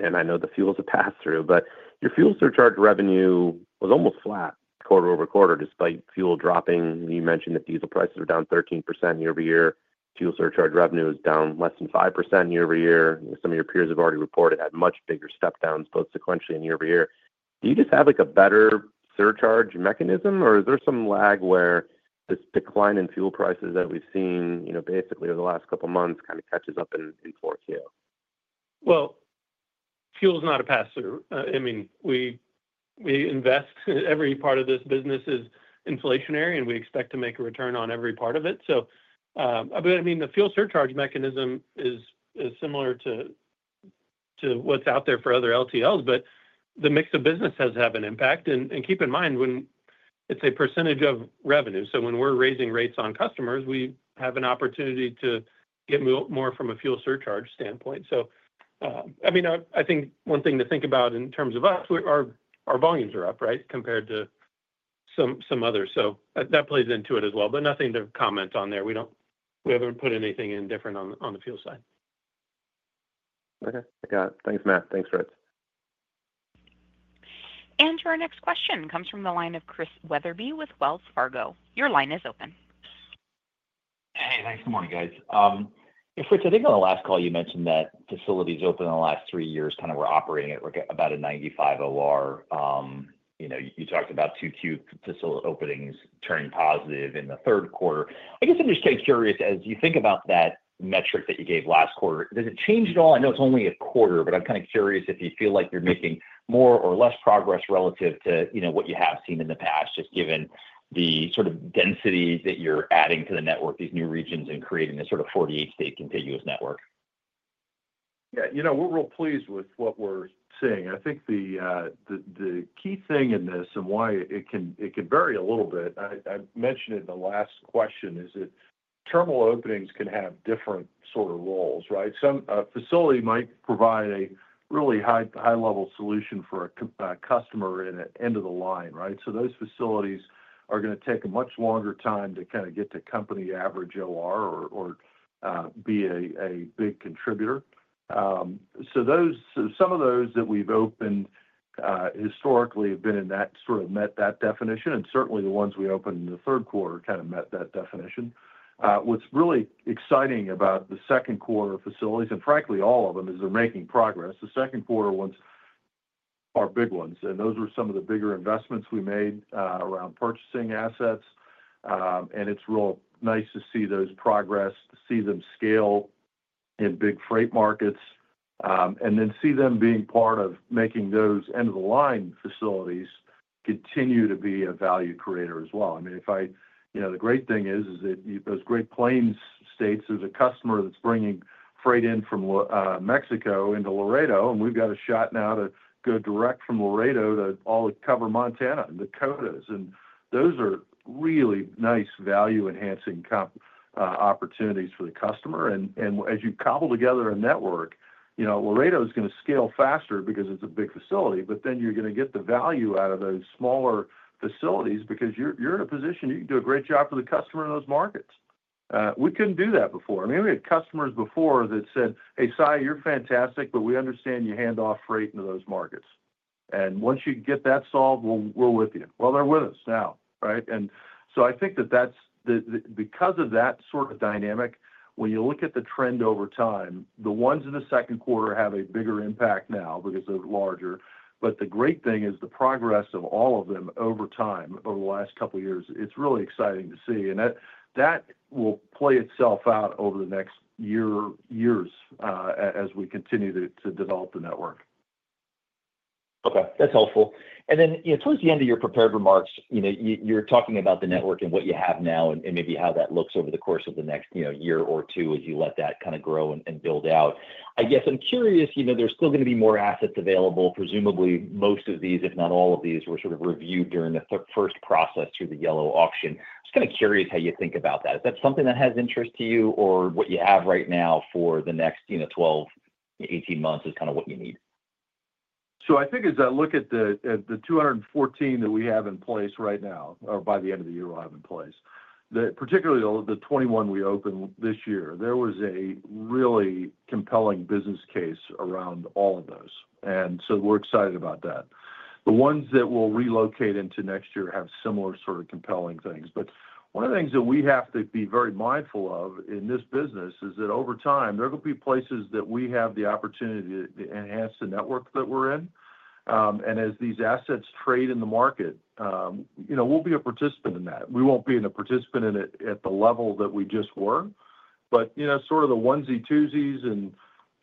and I know the fuel is a pass-through, but your fuel surcharge revenue was almost flat quarter over quarter, despite fuel dropping. You mentioned that diesel prices are down 13% year over year. Fuel surcharge revenue is down less than 5% year over year. Some of your peers have already reported at much bigger step downs, both sequentially and year over year. Do you just have, like, a better surcharge mechanism, or is there some lag where this decline in fuel prices that we've seen, you know, basically over the last couple of months kind of catches up in 4Q? Fuel is not a pass-through. I mean, we invest. Every part of this business is inflationary, and we expect to make a return on every part of it. The fuel surcharge mechanism is similar to what's out there for other LTLs, but the mix of business does have an impact. Keep in mind, when it's a percentage of revenue, so when we're raising rates on customers, we have an opportunity to get more from a fuel surcharge standpoint. I mean, I think one thing to think about in terms of us, our volumes are up, right, compared to some others. That plays into it as well, but nothing to comment on there. We haven't put anything different on the fuel side. Okay. I got it. Thanks, Matt. Thanks, Frederick. Our next question comes from the line of Christopher Wetherbee with Wells Fargo. Your line is open. Hey, thanks. Good morning, guys. Frederick, I think on the last call you mentioned that facilities open in the last three years kind of were operating at around about a 95 OR. You know, you talked about Q2 facility openings turning positive in the Q3. I guess I'm just curious, as you think about that metric that you gave last quarter, does it change at all? I know it's only a quarter, but I'm kind of curious if you feel like you're making more or less progress relative to, you know, what you have seen in the past, just given the sort of density that you're adding to the network, these new regions, and creating this sort of 48-state contiguous network. Yeah, you know, we're real pleased with what we're seeing. I think the key thing in this and why it can vary a little bit, I mentioned in the last question, is that terminal openings can have different sort of roles, right? Some facility might provide a really high-level solution for a customer in an end of the line, right? So those facilities are going to take a much longer time to kind of get to company average OR or be a big contributor. So those, some of those that we've opened historically have been in that sort of met that definition, and certainly, the ones we opened in the Q3 kind of met that definition. What's really exciting about the Q2 facilities, and frankly, all of them, is they're making progress. The Q2 ones are big ones, and those were some of the bigger investments we made around purchasing assets. And it's real nice to see those progress, to see them scale in big freight markets, and then see them being part of making those end-of-the-line facilities continue to be a value creator as well. I mean, you know, the great thing is that those Great Plains states, there's a customer that's bringing freight in from Mexico into Laredo, and we've got a shot now to go direct from Laredo to all of Montana and The Dakotas. And those are really nice value-enhancing competitive opportunities for the customer. As you cobble together a network, you know, Laredo is gonna scale faster because it's a big facility, but then you're gonna get the value out of those smaller facilities because you're in a position, you can do a great job for the customer in those markets. We couldn't do that before. I mean, we had customers before that said, "Hey, Saia, you're fantastic, but we understand you hand off freight into those markets. And once you get that solved, we'll, we're with you." Well, they're with us now, right? And so I think that that's the because of that sort of dynamic, when you look at the trend over time, the ones in the Q2 have a bigger impact now because they're larger, but the great thing is the progress of all of them over time, over the last couple of years, it's really exciting to see. And that will play itself out over the next year, years, as we continue to develop the network. Okay, that's helpful, and then, you know, towards the end of your prepared remarks, you know, you, you're talking about the network and what you have now and, and maybe how that looks over the course of the next, you know, year or two as you let that kind of grow and, and build out. I guess I'm curious, you know, there's still gonna be more assets available. Presumably, most of these, if not all of these, were sort of reviewed during the first process through the Yellow auction. Just kind of curious how you think about that. Is that something that has interest to you, or what you have right now for the next, you know, twelve to eighteen months is kind of what you need? So I think as I look at the 214 that we have in place right now, or by the end of the year we'll have in place, that particularly the 21 we opened this year, there was a really compelling business case around all of those, and so we're excited about that. The ones that we'll relocate into next year have similar sort of compelling things. But one of the things that we have to be very mindful of in this business is that over time, there are gonna be places that we have the opportunity to enhance the network that we're in. And as these assets trade in the market, you know, we'll be a participant in that. We won't be a participant in it at the level that we just were. But, you know, sort of the onesie, twosies, and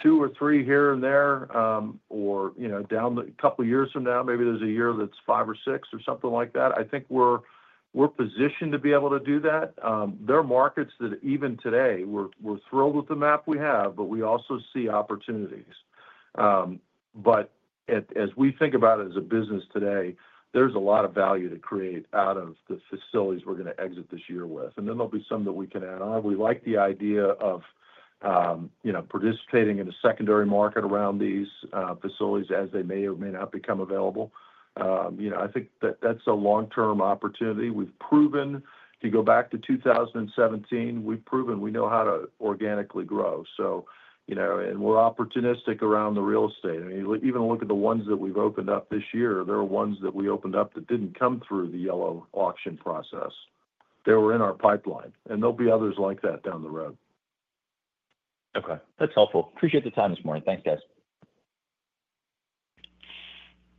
two or three here and there, or, you know, down the road, a couple of years from now, maybe there's a year that's five or six or something like that. I think we're positioned to be able to do that. There are markets that even today, we're thrilled with the map we have, but we also see opportunities. But as we think about it as a business today, there's a lot of value to create out of the facilities we're gonna exit this year with. And then there'll be some that we can add on. We like the idea of, you know, participating in a secondary market around these facilities as they may or may not become available. You know, I think that that's a long-term opportunity. We've proven, to go back to 2017, we've proven we know how to organically grow, so you know, and we're opportunistic around the real estate. I mean, even look at the ones that we've opened up this year, there are ones that we opened up that didn't come through the Yellow auction process. They were in our pipeline, and there'll be others like that down the road. Okay, that's helpful. Appreciate the time this morning.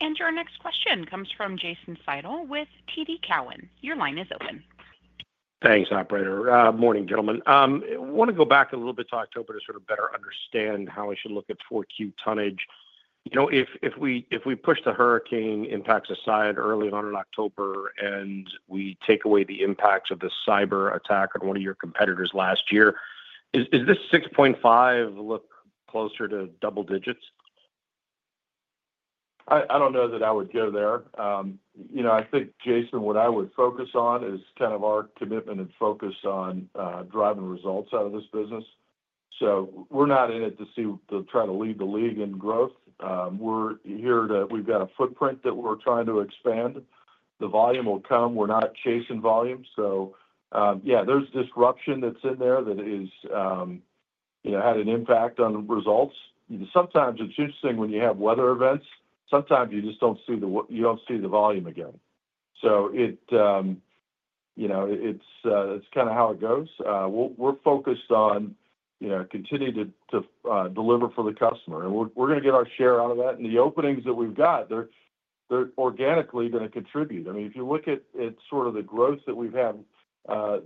Thanks, guys. Our next question comes from Jason Seidl with TD Cowen. Your line is open. Thanks, operator. Morning, gentlemen. I want to go back a little bit to October to sort of better understand how we should look at 4Q tonnage. You know, if we push the hurricane impacts aside early on in October, and we take away the impacts of the cyberattack on one of your competitors last year, is this 6.5 look closer to double digits? I don't know that I would go there. You know, I think, Jason, what I would focus on is kind of our commitment and focus on driving results out of this business. So we're not in it to try to lead the league in growth. We're here to. We've got a footprint that we're trying to expand. The volume will come. We're not chasing volume. So, yeah, there's disruption that's in there that is, you know, had an impact on results. Sometimes it's interesting when you have weather events, sometimes you just don't see the volume again. So it, you know, it's kind of how it goes. We're focused on, you know, continuing to deliver for the customer, and we're gonna get our share out of that. And the openings that we've got, they're organically gonna contribute. I mean, if you look at sort of the growth that we've had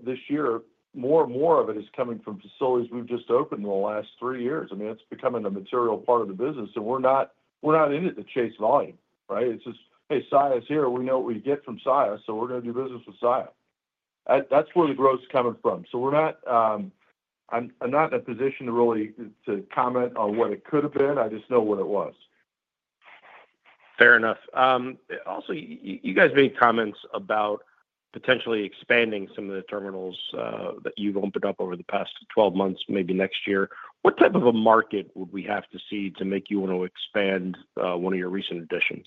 this year, more and more of it is coming from facilities we've just opened in the last three years. I mean, it's becoming a material part of the business, and we're not in it to chase volume, right? It's just, "Hey, Saia is here. We know what we get from Saia, so we're gonna do business with Saia." That's where the growth is coming from. So we're not, I'm not in a position to really to comment on what it could have been. I just know what it was. Fair enough. Also, you guys made comments about potentially expanding some of the terminals that you've opened up over the past twelve months, maybe next year. What type of a market would we have to see to make you want to expand one of your recent additions?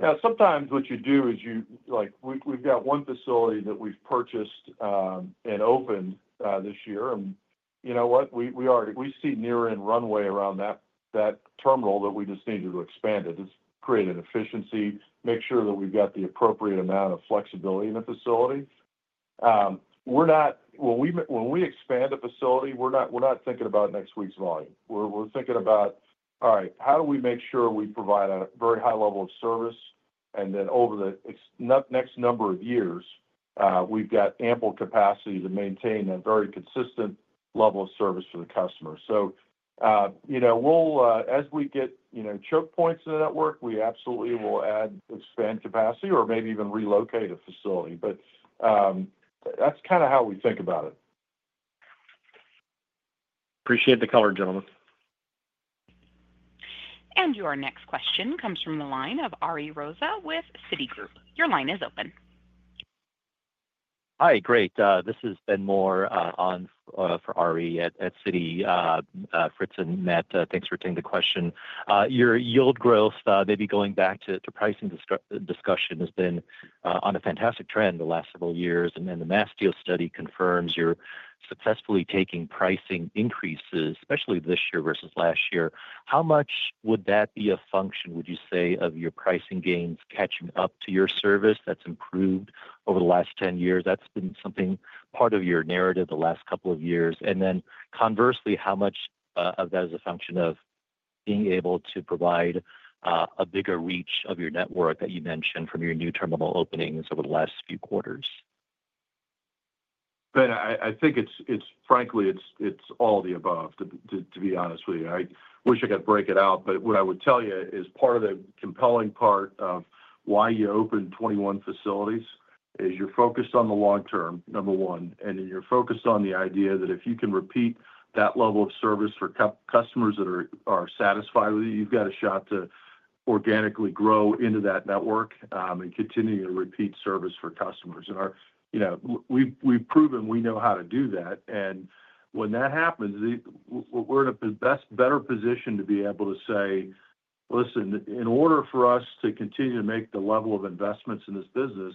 Yeah, sometimes what you do is you. Like, we've, we've got one facility that we've purchased, and opened, this year. And you know what? We, we already we see near-end runway around that, that terminal that we just needed to expand it, just create an efficiency, make sure that we've got the appropriate amount of flexibility in the facility. We're not when we, when we expand a facility, we're not, we're not thinking about next week's volume. We're, we're thinking about, all right, how do we make sure we provide a very high level of service? And then over the next number of years, we've got ample capacity to maintain a very consistent level of service for the customer. So, you know, we'll, as we get, you know, choke points in the network, we absolutely will add, expand capacity or maybe even relocate a facility. But, that's kinda how we think about it. Appreciate the color, gentlemen. Your next question comes from the line of Ari Rosa with Citigroup. Your line is open. Hi, great. This is Stephanie Moore, on for Ari at Citi.Frederick and Matt, thanks for taking the question. Your yield growth, maybe going back to pricing discussion, has been on a fantastic trend the last several years, and then the Mastio study confirms you're successfully taking pricing increases, especially this year versus last year. How much would that be a function, would you say, of your pricing gains catching up to your service that's improved over the last ten years? That's been something, part of your narrative the last couple of years. And then conversely, how much of that is a function of being able to provide a bigger reach of your network that you mentioned from your new terminal openings over the last few quarters? But I think it's frankly all the above, to be honest with you. I wish I could break it out, but what I would tell you is part of the compelling part of why you opened twenty-one facilities is you're focused on the long term, number one, and then you're focused on the idea that if you can repeat that level of service for customers that are satisfied with you, you've got a shot to organically grow into that network, and continue to repeat service for customers. And our... You know, we've proven we know how to do that, and when that happens, we're in a better position to be able to say, "Listen, in order for us to continue to make the level of investments in this business,"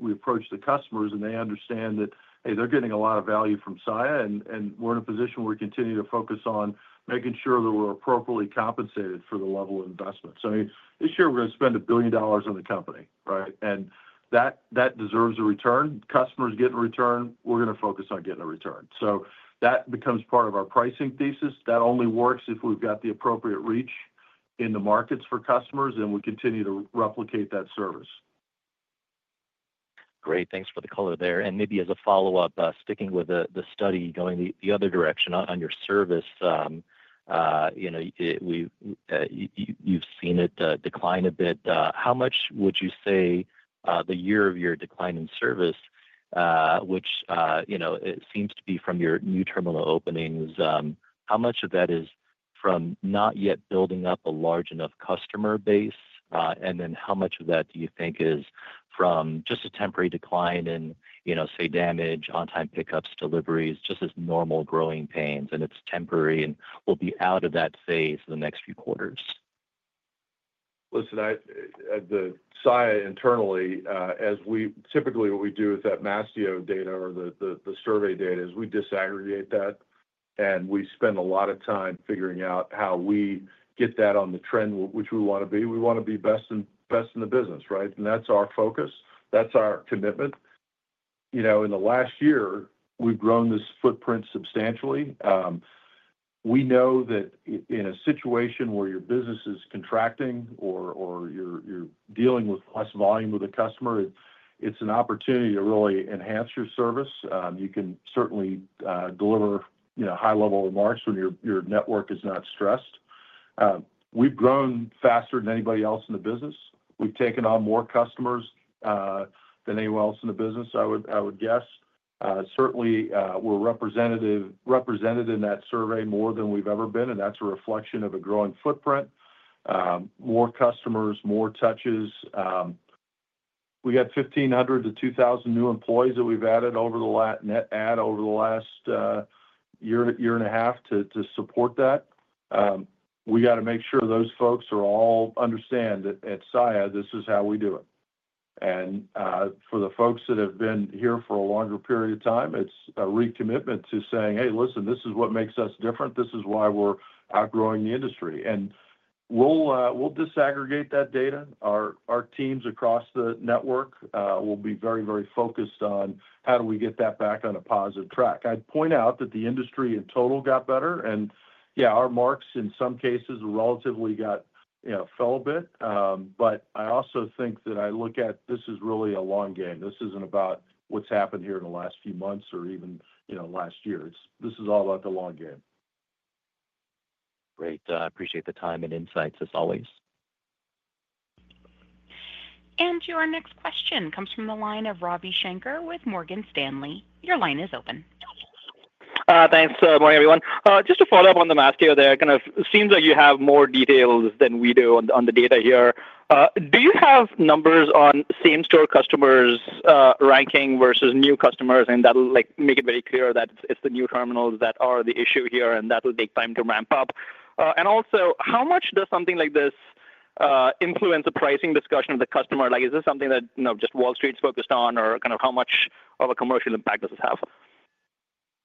we approach the customers, and they understand that, hey, they're getting a lot of value from Saia, and we're in a position where we continue to focus on making sure that we're appropriately compensated for the level of investment. So, I mean, this year we're gonna spend $1 billion on the company, right? And that deserves a return. Customers get a return, we're gonna focus on getting a return. So that becomes part of our pricing thesis. That only works if we've got the appropriate reach in the markets for customers, and we continue to replicate that service. Great, thanks for the color there. Maybe as a follow-up, sticking with the study, going the other direction, on your service, you know, you've seen it decline a bit. How much would you say the area of your decline in service, which, you know, it seems to be from your new terminal openings, how much of that is from not yet building up a large enough customer base? And then how much of that do you think is from just a temporary decline in, you know, say, damage, on-time pickups, deliveries, just as normal growing pains, and it's temporary, and we'll be out of that phase in the next few quarters? Listen, I, Saia internally, as we... Typically, what we do with that Mastio data or the survey data is we disaggregate that, and we spend a lot of time figuring out how we get that on the trend which we want to be. We want to be best in, best in the business, right? And that's our focus, that's our commitment. You know, in the last year, we've grown this footprint substantially. We know that in a situation where your business is contracting or you're dealing with less volume with a customer, it's an opportunity to really enhance your service. You can certainly deliver, you know, high-level marks when your network is not stressed. We've grown faster than anybody else in the business. We've taken on more customers than anyone else in the business. I would guess. Certainly, we're represented in that survey more than we've ever been, and that's a reflection of a growing footprint. More customers, more touches. We got 1,500-2,000 new employees that we've added net over the last year and a half to support that. We gotta make sure those folks are all understand that at Saia, this is how we do it. And for the folks that have been here for a longer period of time, it's a recommitment to saying, "Hey, listen, this is what makes us different. This is why we're outgrowing the industry." And we'll disaggregate that data. Our teams across the network will be very, very focused on how do we get that back on a positive track? I'd point out that the industry in total got better, and yeah, our marks in some cases relatively got, you know, fell a bit. But I also think that I look at this is really a long game. This isn't about what's happened here in the last few months or even, you know, last year. This is all about the long game. Great. Appreciate the time and insights, as always. Your next question comes from the line of Ravi Shanker with Morgan Stanley. Your line is open. Thanks. Good morning, everyone. Just to follow up on the Mastio there, kind of seems like you have more details than we do on, on the data here. Do you have numbers on same-store customers ranking versus new customers? And that will, like, make it very clear that it's the new terminals that are the issue here, and that will take time to ramp up. And also, how much does something like this influence the pricing discussion with the customer? Like, is this something that, you know, just Wall Street's focused on, or kind of how much of a commercial impact does this have?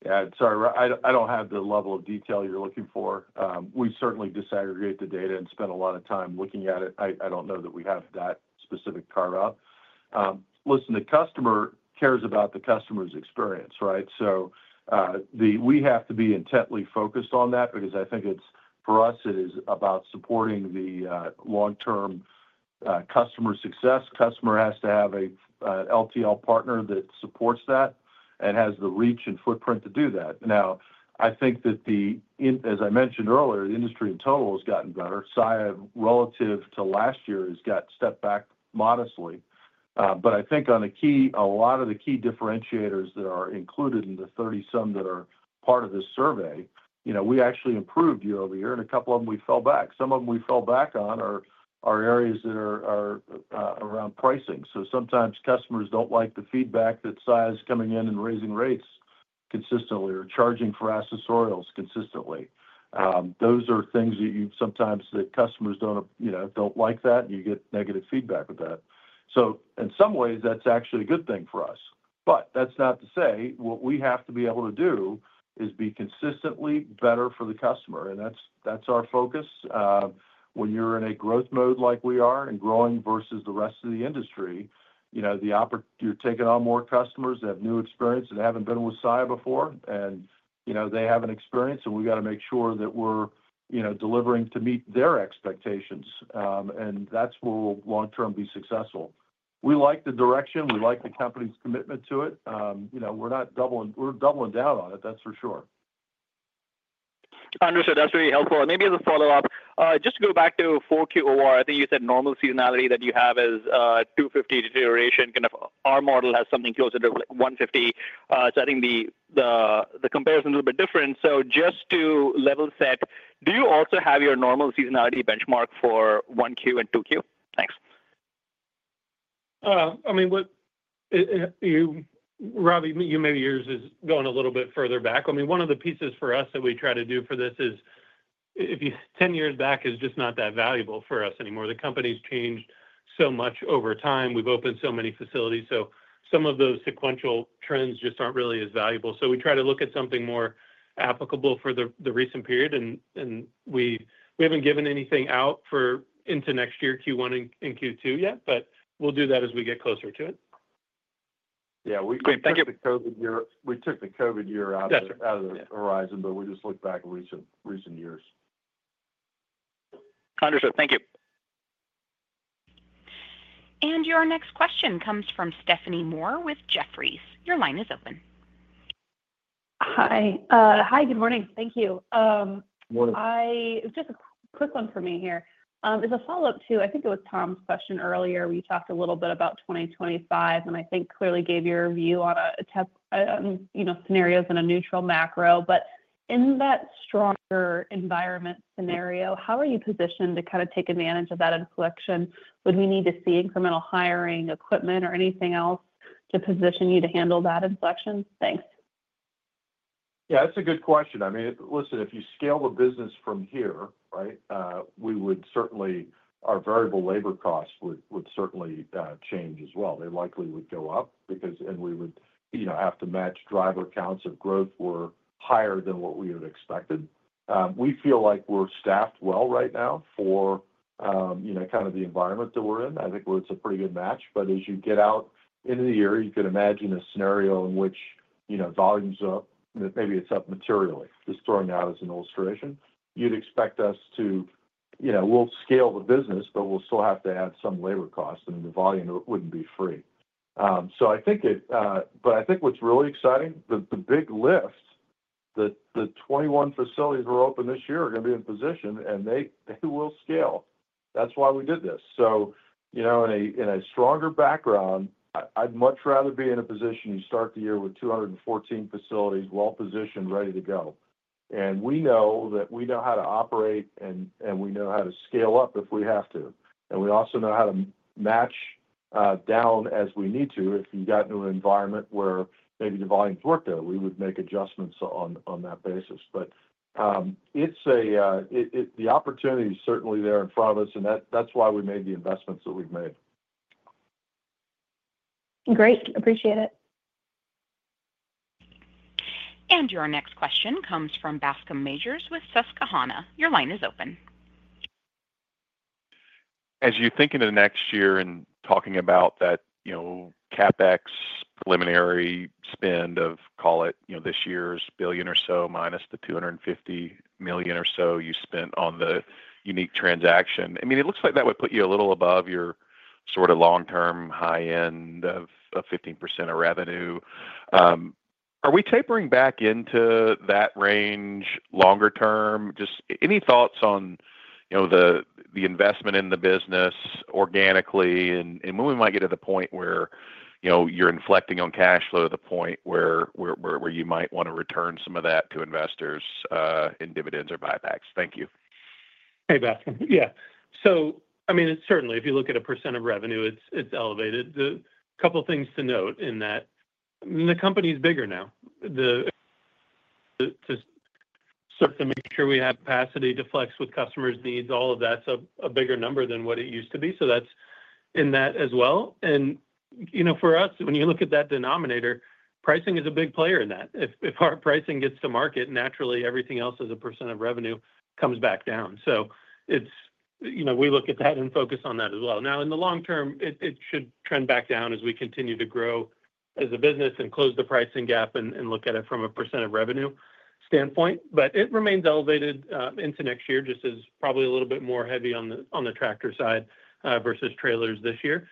Yeah. Sorry, Ravi, I don't have the level of detail you're looking for. We certainly disaggregate the data and spend a lot of time looking at it. I don't know that we have that specific carve-out. Listen, the customer cares about the customer's experience, right? So, we have to be intently focused on that because I think it's, for us, it is about supporting the long-term customer success. Customer has to have a LTL partner that supports that and has the reach and footprint to do that. Now, I think that as I mentioned earlier, the industry in total has gotten better. Saia, relative to last year, has got stepped back modestly. But I think on a key, a lot of the key differentiators that are included in the thirty-some that are part of this survey, you know, we actually improved year over year, and a couple of them, we fell back. Some of them we fell back on are areas that are around pricing. So sometimes customers don't like the feedback that Saia's coming in and raising rates consistently or charging for accessorials consistently. Those are things that you sometimes, the customers don't, you know, don't like that, and you get negative feedback with that. So in some ways, that's actually a good thing for us, but that's not to say what we have to be able to do is be consistently better for the customer, and that's our focus. When you're in a growth mode like we are and growing versus the rest of the industry, you know, you're taking on more customers that have new experience and haven't been with Saia before, and, you know, they have an experience, and we've got to make sure that we're, you know, delivering to meet their expectations, and that's where we'll long term be successful. We like the direction. We like the company's commitment to it. You know, we're not doubling we're doubling down on it, that's for sure. Understood. That's really helpful. And maybe as a follow-up, just to go back to 4Q OR, I think you said normal seasonality that you have is two fifty deterioration. Kind of our model has something closer to one fifty. So I think the comparison is a little bit different. So just to level set, do you also have your normal seasonality benchmark for 1Q and 2Q? Thanks. I mean, what you, Ravi, you maybe yours is going a little bit further back. I mean, one of the pieces for us that we try to do for this is if you, 10 years back is just not that valuable for us anymore. The company's changed so much over time. We've opened so many facilities, so some of those sequential trends just aren't really as valuable. So we try to look at something more applicable for the recent period, and we haven't given anything out for into next year, Q1 and Q2 yet, but we'll do that as we get closer to it. Yeah, we- Great. Thank you. We took the COVID year out of- Yes, sir... out of the horizon, but we just looked back at recent years. Understood. Thank you. And your next question comes from Stephanie Moore with Jefferies. Your line is open. Hi. Hi, good morning. Thank you. Morning. Just a quick one for me here. As a follow-up to, I think it wasThomas's question earlier, where you talked a little bit about twenty twenty-five, and I think clearly gave your view on a tempo, you know, scenarios in a neutral macro. But in that stronger environment scenario, how are you positioned to kind of take advantage of that inflection? Would we need to see incremental hiring, equipment, or anything else to position you to handle that inflection? Thanks. Yeah, that's a good question. I mean, listen, if you scale the business from here, right, we would certainly, our variable labor costs would certainly change as well. They likely would go up because and we would, you know, have to match driver counts if growth were higher than what we had expected. We feel like we're staffed well right now for, you know, kind of the environment that we're in. I think it's a pretty good match. But as you get out into the year, you can imagine a scenario in which, you know, volume's up, maybe it's up materially. Just throwing out as an illustration. You'd expect us to, you know, we'll scale the business, but we'll still have to add some labor costs, and the volume wouldn't be free. So I think it... But I think what's really exciting, the big lifts, the 21 facilities that are open this year are going to be in position, and they will scale. That's why we did this. So you know, in a stronger background, I'd much rather be in a position. You start the year with 214 facilities, well-positioned, ready to go. And we know how to operate, and we know how to scale up if we have to. And we also know how to match down as we need to. If you got into an environment where maybe the volumes worked out, we would make adjustments on that basis. But it's the opportunity is certainly there in front of us, and that's why we made the investments that we've made. Great. Appreciate it. Your next question comes from Bascom Majors with Susquehanna. Your line is open. As you think into the next year and talking about that, you know, CapEx preliminary spend of, call it, you know, this year's $1 billion or so, minus the $250 million or so you spent on the unique transaction, I mean, it looks like that would put you a little above your sort of long-term, high end of 15% of revenue. Are we tapering back into that range longer term? Just any thoughts on, you know, the, the investment in the business organically and, and when we might get to the point where, you know, you're inflecting on cash flow, the point where, where you might want to return some of that to investors, in dividends or buybacks? Thank you. Hey, Bascom. Yeah. So I mean, certainly, if you look at a % of revenue, it's elevated. The couple of things to note in that, I mean, the company is bigger now. The to start to make sure we have capacity to flex with customers' needs, all of that's a bigger number than what it used to be. So that's in that as well. And, you know, for us, when you look at that denominator, pricing is a big player in that. If our pricing gets to market, naturally, everything else as a % of revenue comes back down. So it's... You know, we look at that and focus on that as well. Now, in the long term, it should trend back down as we continue to grow.... as a business and close the pricing gap and look at it from a percent of revenue standpoint. But it remains elevated into next year, just as probably a little bit more heavy on the tractor side versus trailers this year.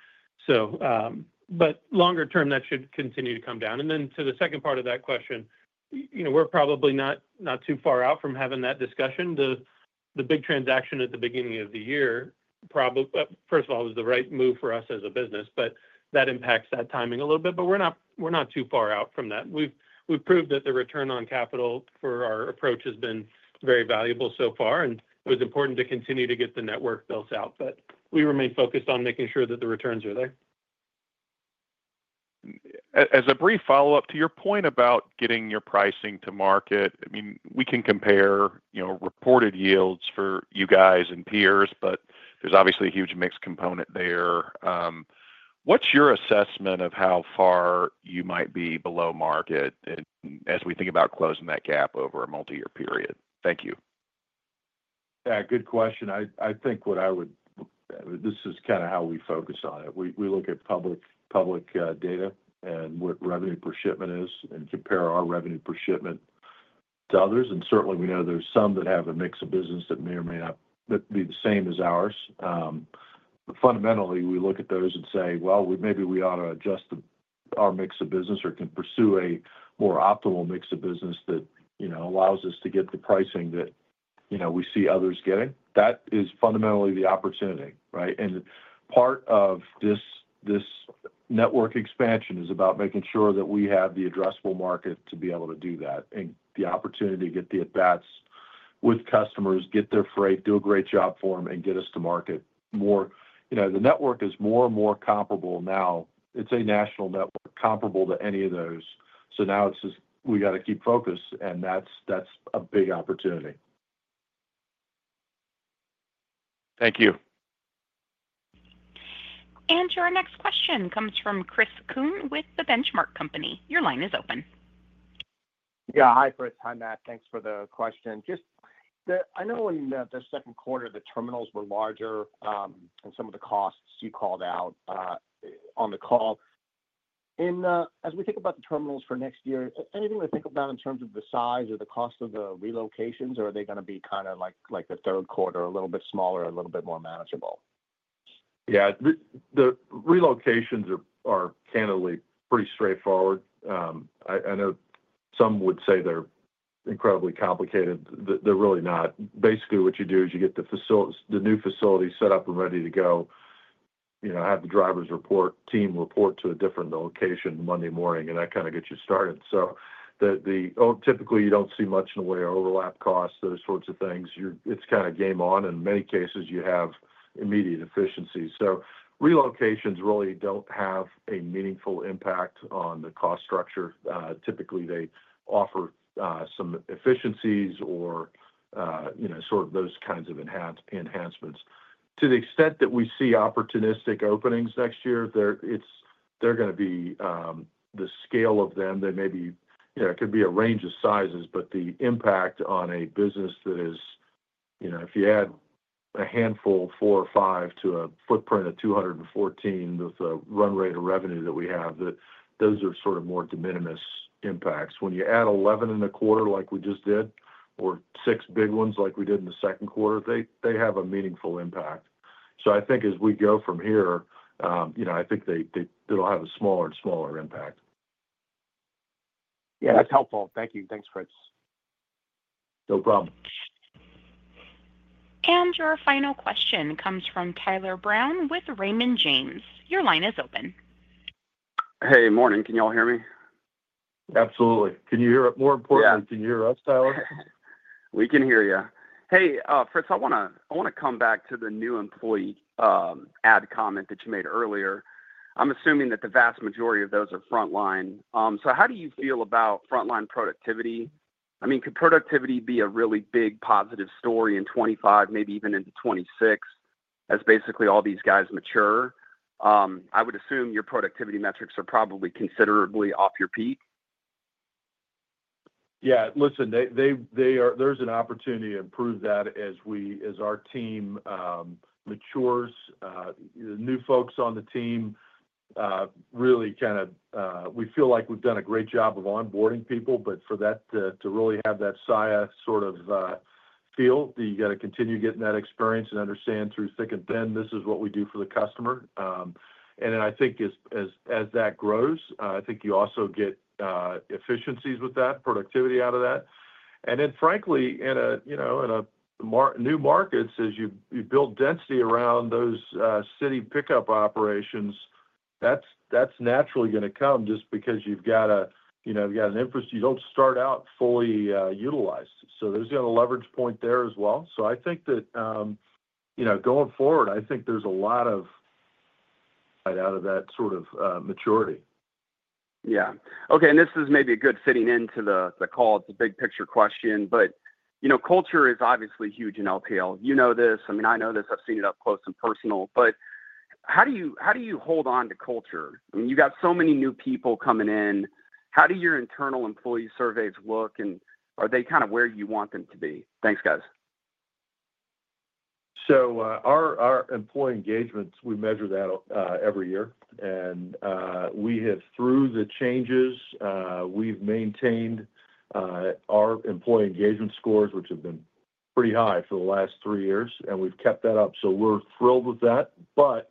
But longer term, that should continue to come down. And then to the second part of that question, you know, we're probably not too far out from having that discussion. The big transaction at the beginning of the year, probably first of all, it was the right move for us as a business, but that impacts that timing a little bit, but we're not too far out from that. We've proved that the return on capital for our approach has been very valuable so far, and it was important to continue to get the network built out, but we remain focused on making sure that the returns are there. As a brief follow-up, to your point about getting your pricing to market, I mean, we can compare, you know, reported yields for you guys and peers, but there's obviously a huge mixed component there. What's your assessment of how far you might be below market, as we think about closing that gap over a multi-year period? Thank you. Yeah, good question. I think what I would... This is kind of how we focus on it. We look at public data and what revenue per shipment is and compare our revenue per shipment to others, and certainly we know there's some that have a mix of business that may or may not be the same as ours. But fundamentally, we look at those and say, "Well, maybe we ought to adjust our mix of business or can pursue a more optimal mix of business that, you know, allows us to get the pricing that, you know, we see others getting." That is fundamentally the opportunity, right? And part of this, this network expansion is about making sure that we have the addressable market to be able to do that, and the opportunity to get the at-bats with customers, get their freight, do a great job for them, and get us to market more. You know, the network is more and more comparable now. It's a national network, comparable to any of those. So now it's just, we got to keep focused, and that's, that's a big opportunity. Thank you. Our next question comes from Christopher Kuhn with The Benchmark Company. Your line is open. Yeah. Hi, Christopher. Hi, Matt. Thanks for the question. Just the- I know in the Q2, the terminals were larger, and some of the costs you called out on the call. As we think about the terminals for next year, anything to think about in terms of the size or the cost of the relocations, or are they going to be kind of like the Q3, a little bit smaller, a little bit more manageable? Yeah. The relocations are candidly pretty straightforward. I know some would say they're incredibly complicated. They're really not. Basically, what you do is you get the new facilities set up and ready to go, you know, have the drivers report, team report to a different location Monday morning, and that kind of gets you started. So typically, you don't see much in the way of overlap costs, those sorts of things. It's kind of game on. In many cases, you have immediate efficiencies. So relocations really don't have a meaningful impact on the cost structure. Typically, they offer some efficiencies or, you know, sort of those kinds of enhancements. To the extent that we see opportunistic openings next year, they're going to be the scale of them. They may be, you know, it could be a range of sizes, but the impact on a business that is, you know, if you add a handful, four or five, to a footprint of two hundred and fourteen, with the run rate of revenue that we have, those are sort of more de minimis impacts. When you add 11 in a quarter like we just did, or 6 big ones like we did in the Q2, they have a meaningful impact. So I think as we go from here, you know, I think they'll have a smaller and smaller impact. Yeah, that's helpful. Thank you. Thanks, Christopher. No problem. Your final question comes from Tyler Brown with Raymond James. Your line is open. Hey. Morning. Can you all hear me? Absolutely. Can you hear... More importantly- Yeah. Can you hear us, Tyler? We can hear you. Hey, Frederick, I want to come back to the new employee hire comment that you made earlier. I'm assuming that the vast majority of those are frontline. So how do you feel about frontline productivity? I mean, could productivity be a really big positive story in 2025, maybe even into 2026, as basically all these guys mature? I would assume your productivity metrics are probably considerably off your peak. Yeah. Listen, they are- there's an opportunity to improve that as our team matures. New folks on the team, really kind of... We feel like we've done a great job of onboarding people, but for that to really have that Saia sort of feel, you got to continue getting that experience and understand through thick and thin, this is what we do for the customer. And then I think as that grows, I think you also get efficiencies with that, productivity out of that. And then frankly, in a, you know, in a new markets, as you build density around those city pickup operations, that's naturally going to come just because you've got a, you know, you've got an infrastructure. You don't start out fully utilized. So there's the other leverage point there as well. So I think that, you know, going forward, I think there's a lot of... out of that sort of, maturity. Yeah. Okay, and this is maybe a good fitting into the call. It's a big picture question, but you know, culture is obviously huge in LTL. You know this, I mean, I know this, I've seen it up close and personal. But how do you hold on to culture? I mean, you got so many new people coming in. How do your internal employee surveys look, and are they kind of where you want them to be? Thanks, guys.... So, our employee engagements, we measure that every year. And, we have, through the changes, we've maintained our employee engagement scores, which have been pretty high for the last three years, and we've kept that up. So we're thrilled with that, but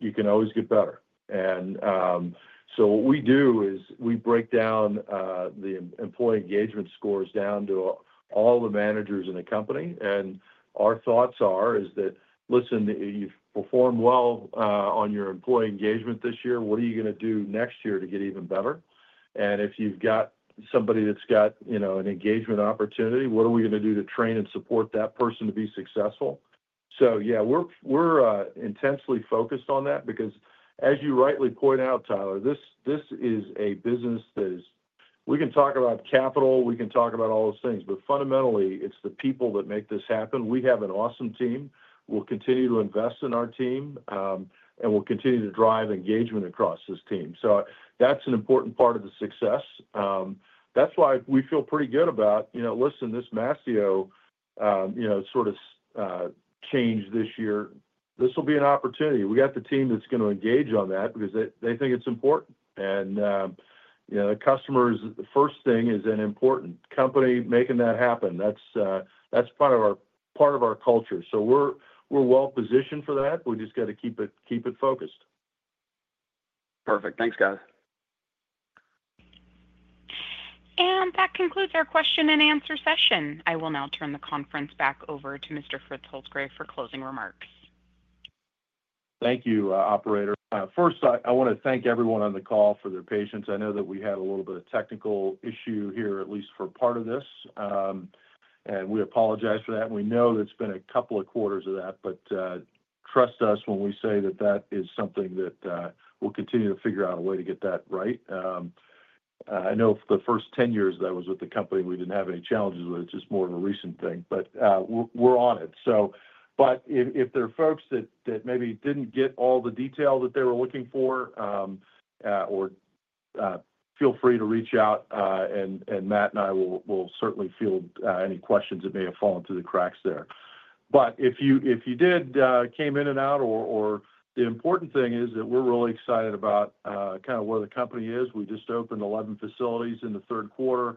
you can always get better. And, so what we do is we break down the employee engagement scores down to all the managers in the company. And our thoughts are, is that, "Listen, you've performed well on your employee engagement this year. What are you gonna do next year to get even better? And if you've got somebody that's got, you know, an engagement opportunity, what are we gonna do to train and support that person to be successful?" So yeah, we're intensely focused on that because, as you rightly point out, Tyler, this is a business that is... We can talk about capital, we can talk about all those things, but fundamentally, it's the people that make this happen. We have an awesome team. We'll continue to invest in our team, and we'll continue to drive engagement across this team. So that's an important part of the success. That's why we feel pretty good about, you know, listen, this Mastio, you know, sort of change this year; this will be an opportunity. We got the team that's gonna engage on that because they think it's important. And, you know, the customers, the first thing is an important company making that happen. That's part of our culture. So we're well positioned for that. We just gotta keep it focused. Perfect. Thanks, guys. That concludes our question and answer session. I will now turn the conference back over to Mr. Frederick Holzgrafe for closing remarks. Thank you, operator. First, I wanna thank everyone on the call for their patience. I know that we had a little bit of technical issue here, at least for part of this, and we apologize for that and we know that it's been a couple of quarters of that, but trust us when we say that that is something that we'll continue to figure out a way to get that right. I know for the first ten years that I was with the company, we didn't have any challenges with it. It's just more of a recent thing, but we're on it. But if there are folks that maybe didn't get all the detail that they were looking for, or feel free to reach out, and Matt and I will certainly field any questions that may have fallen through the cracks there. But if you did came in and out or the important thing is that we're really excited about kind of where the company is. We just opened eleven facilities in the Q3.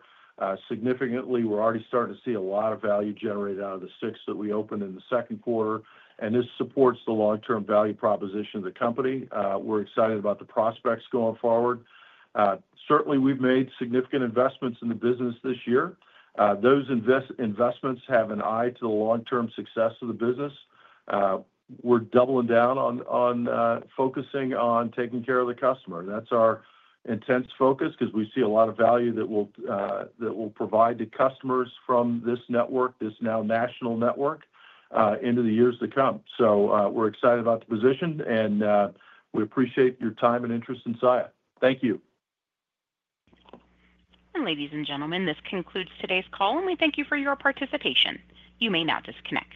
Significantly, we're already starting to see a lot of value generated out of the six that we opened in the Q2, and this supports the long-term value proposition of the company. We're excited about the prospects going forward. Certainly, we've made significant investments in the business this year. Those investments have an eye to the long-term success of the business. We're doubling down on focusing on taking care of the customer. That's our intense focus 'cause we see a lot of value that will provide the customers from this network, this now national network, into the years to come. So, we're excited about the position, and we appreciate your time and interest in Saia. Thank you. Ladies and gentlemen, this concludes today's call, and we thank you for your participation. You may now disconnect.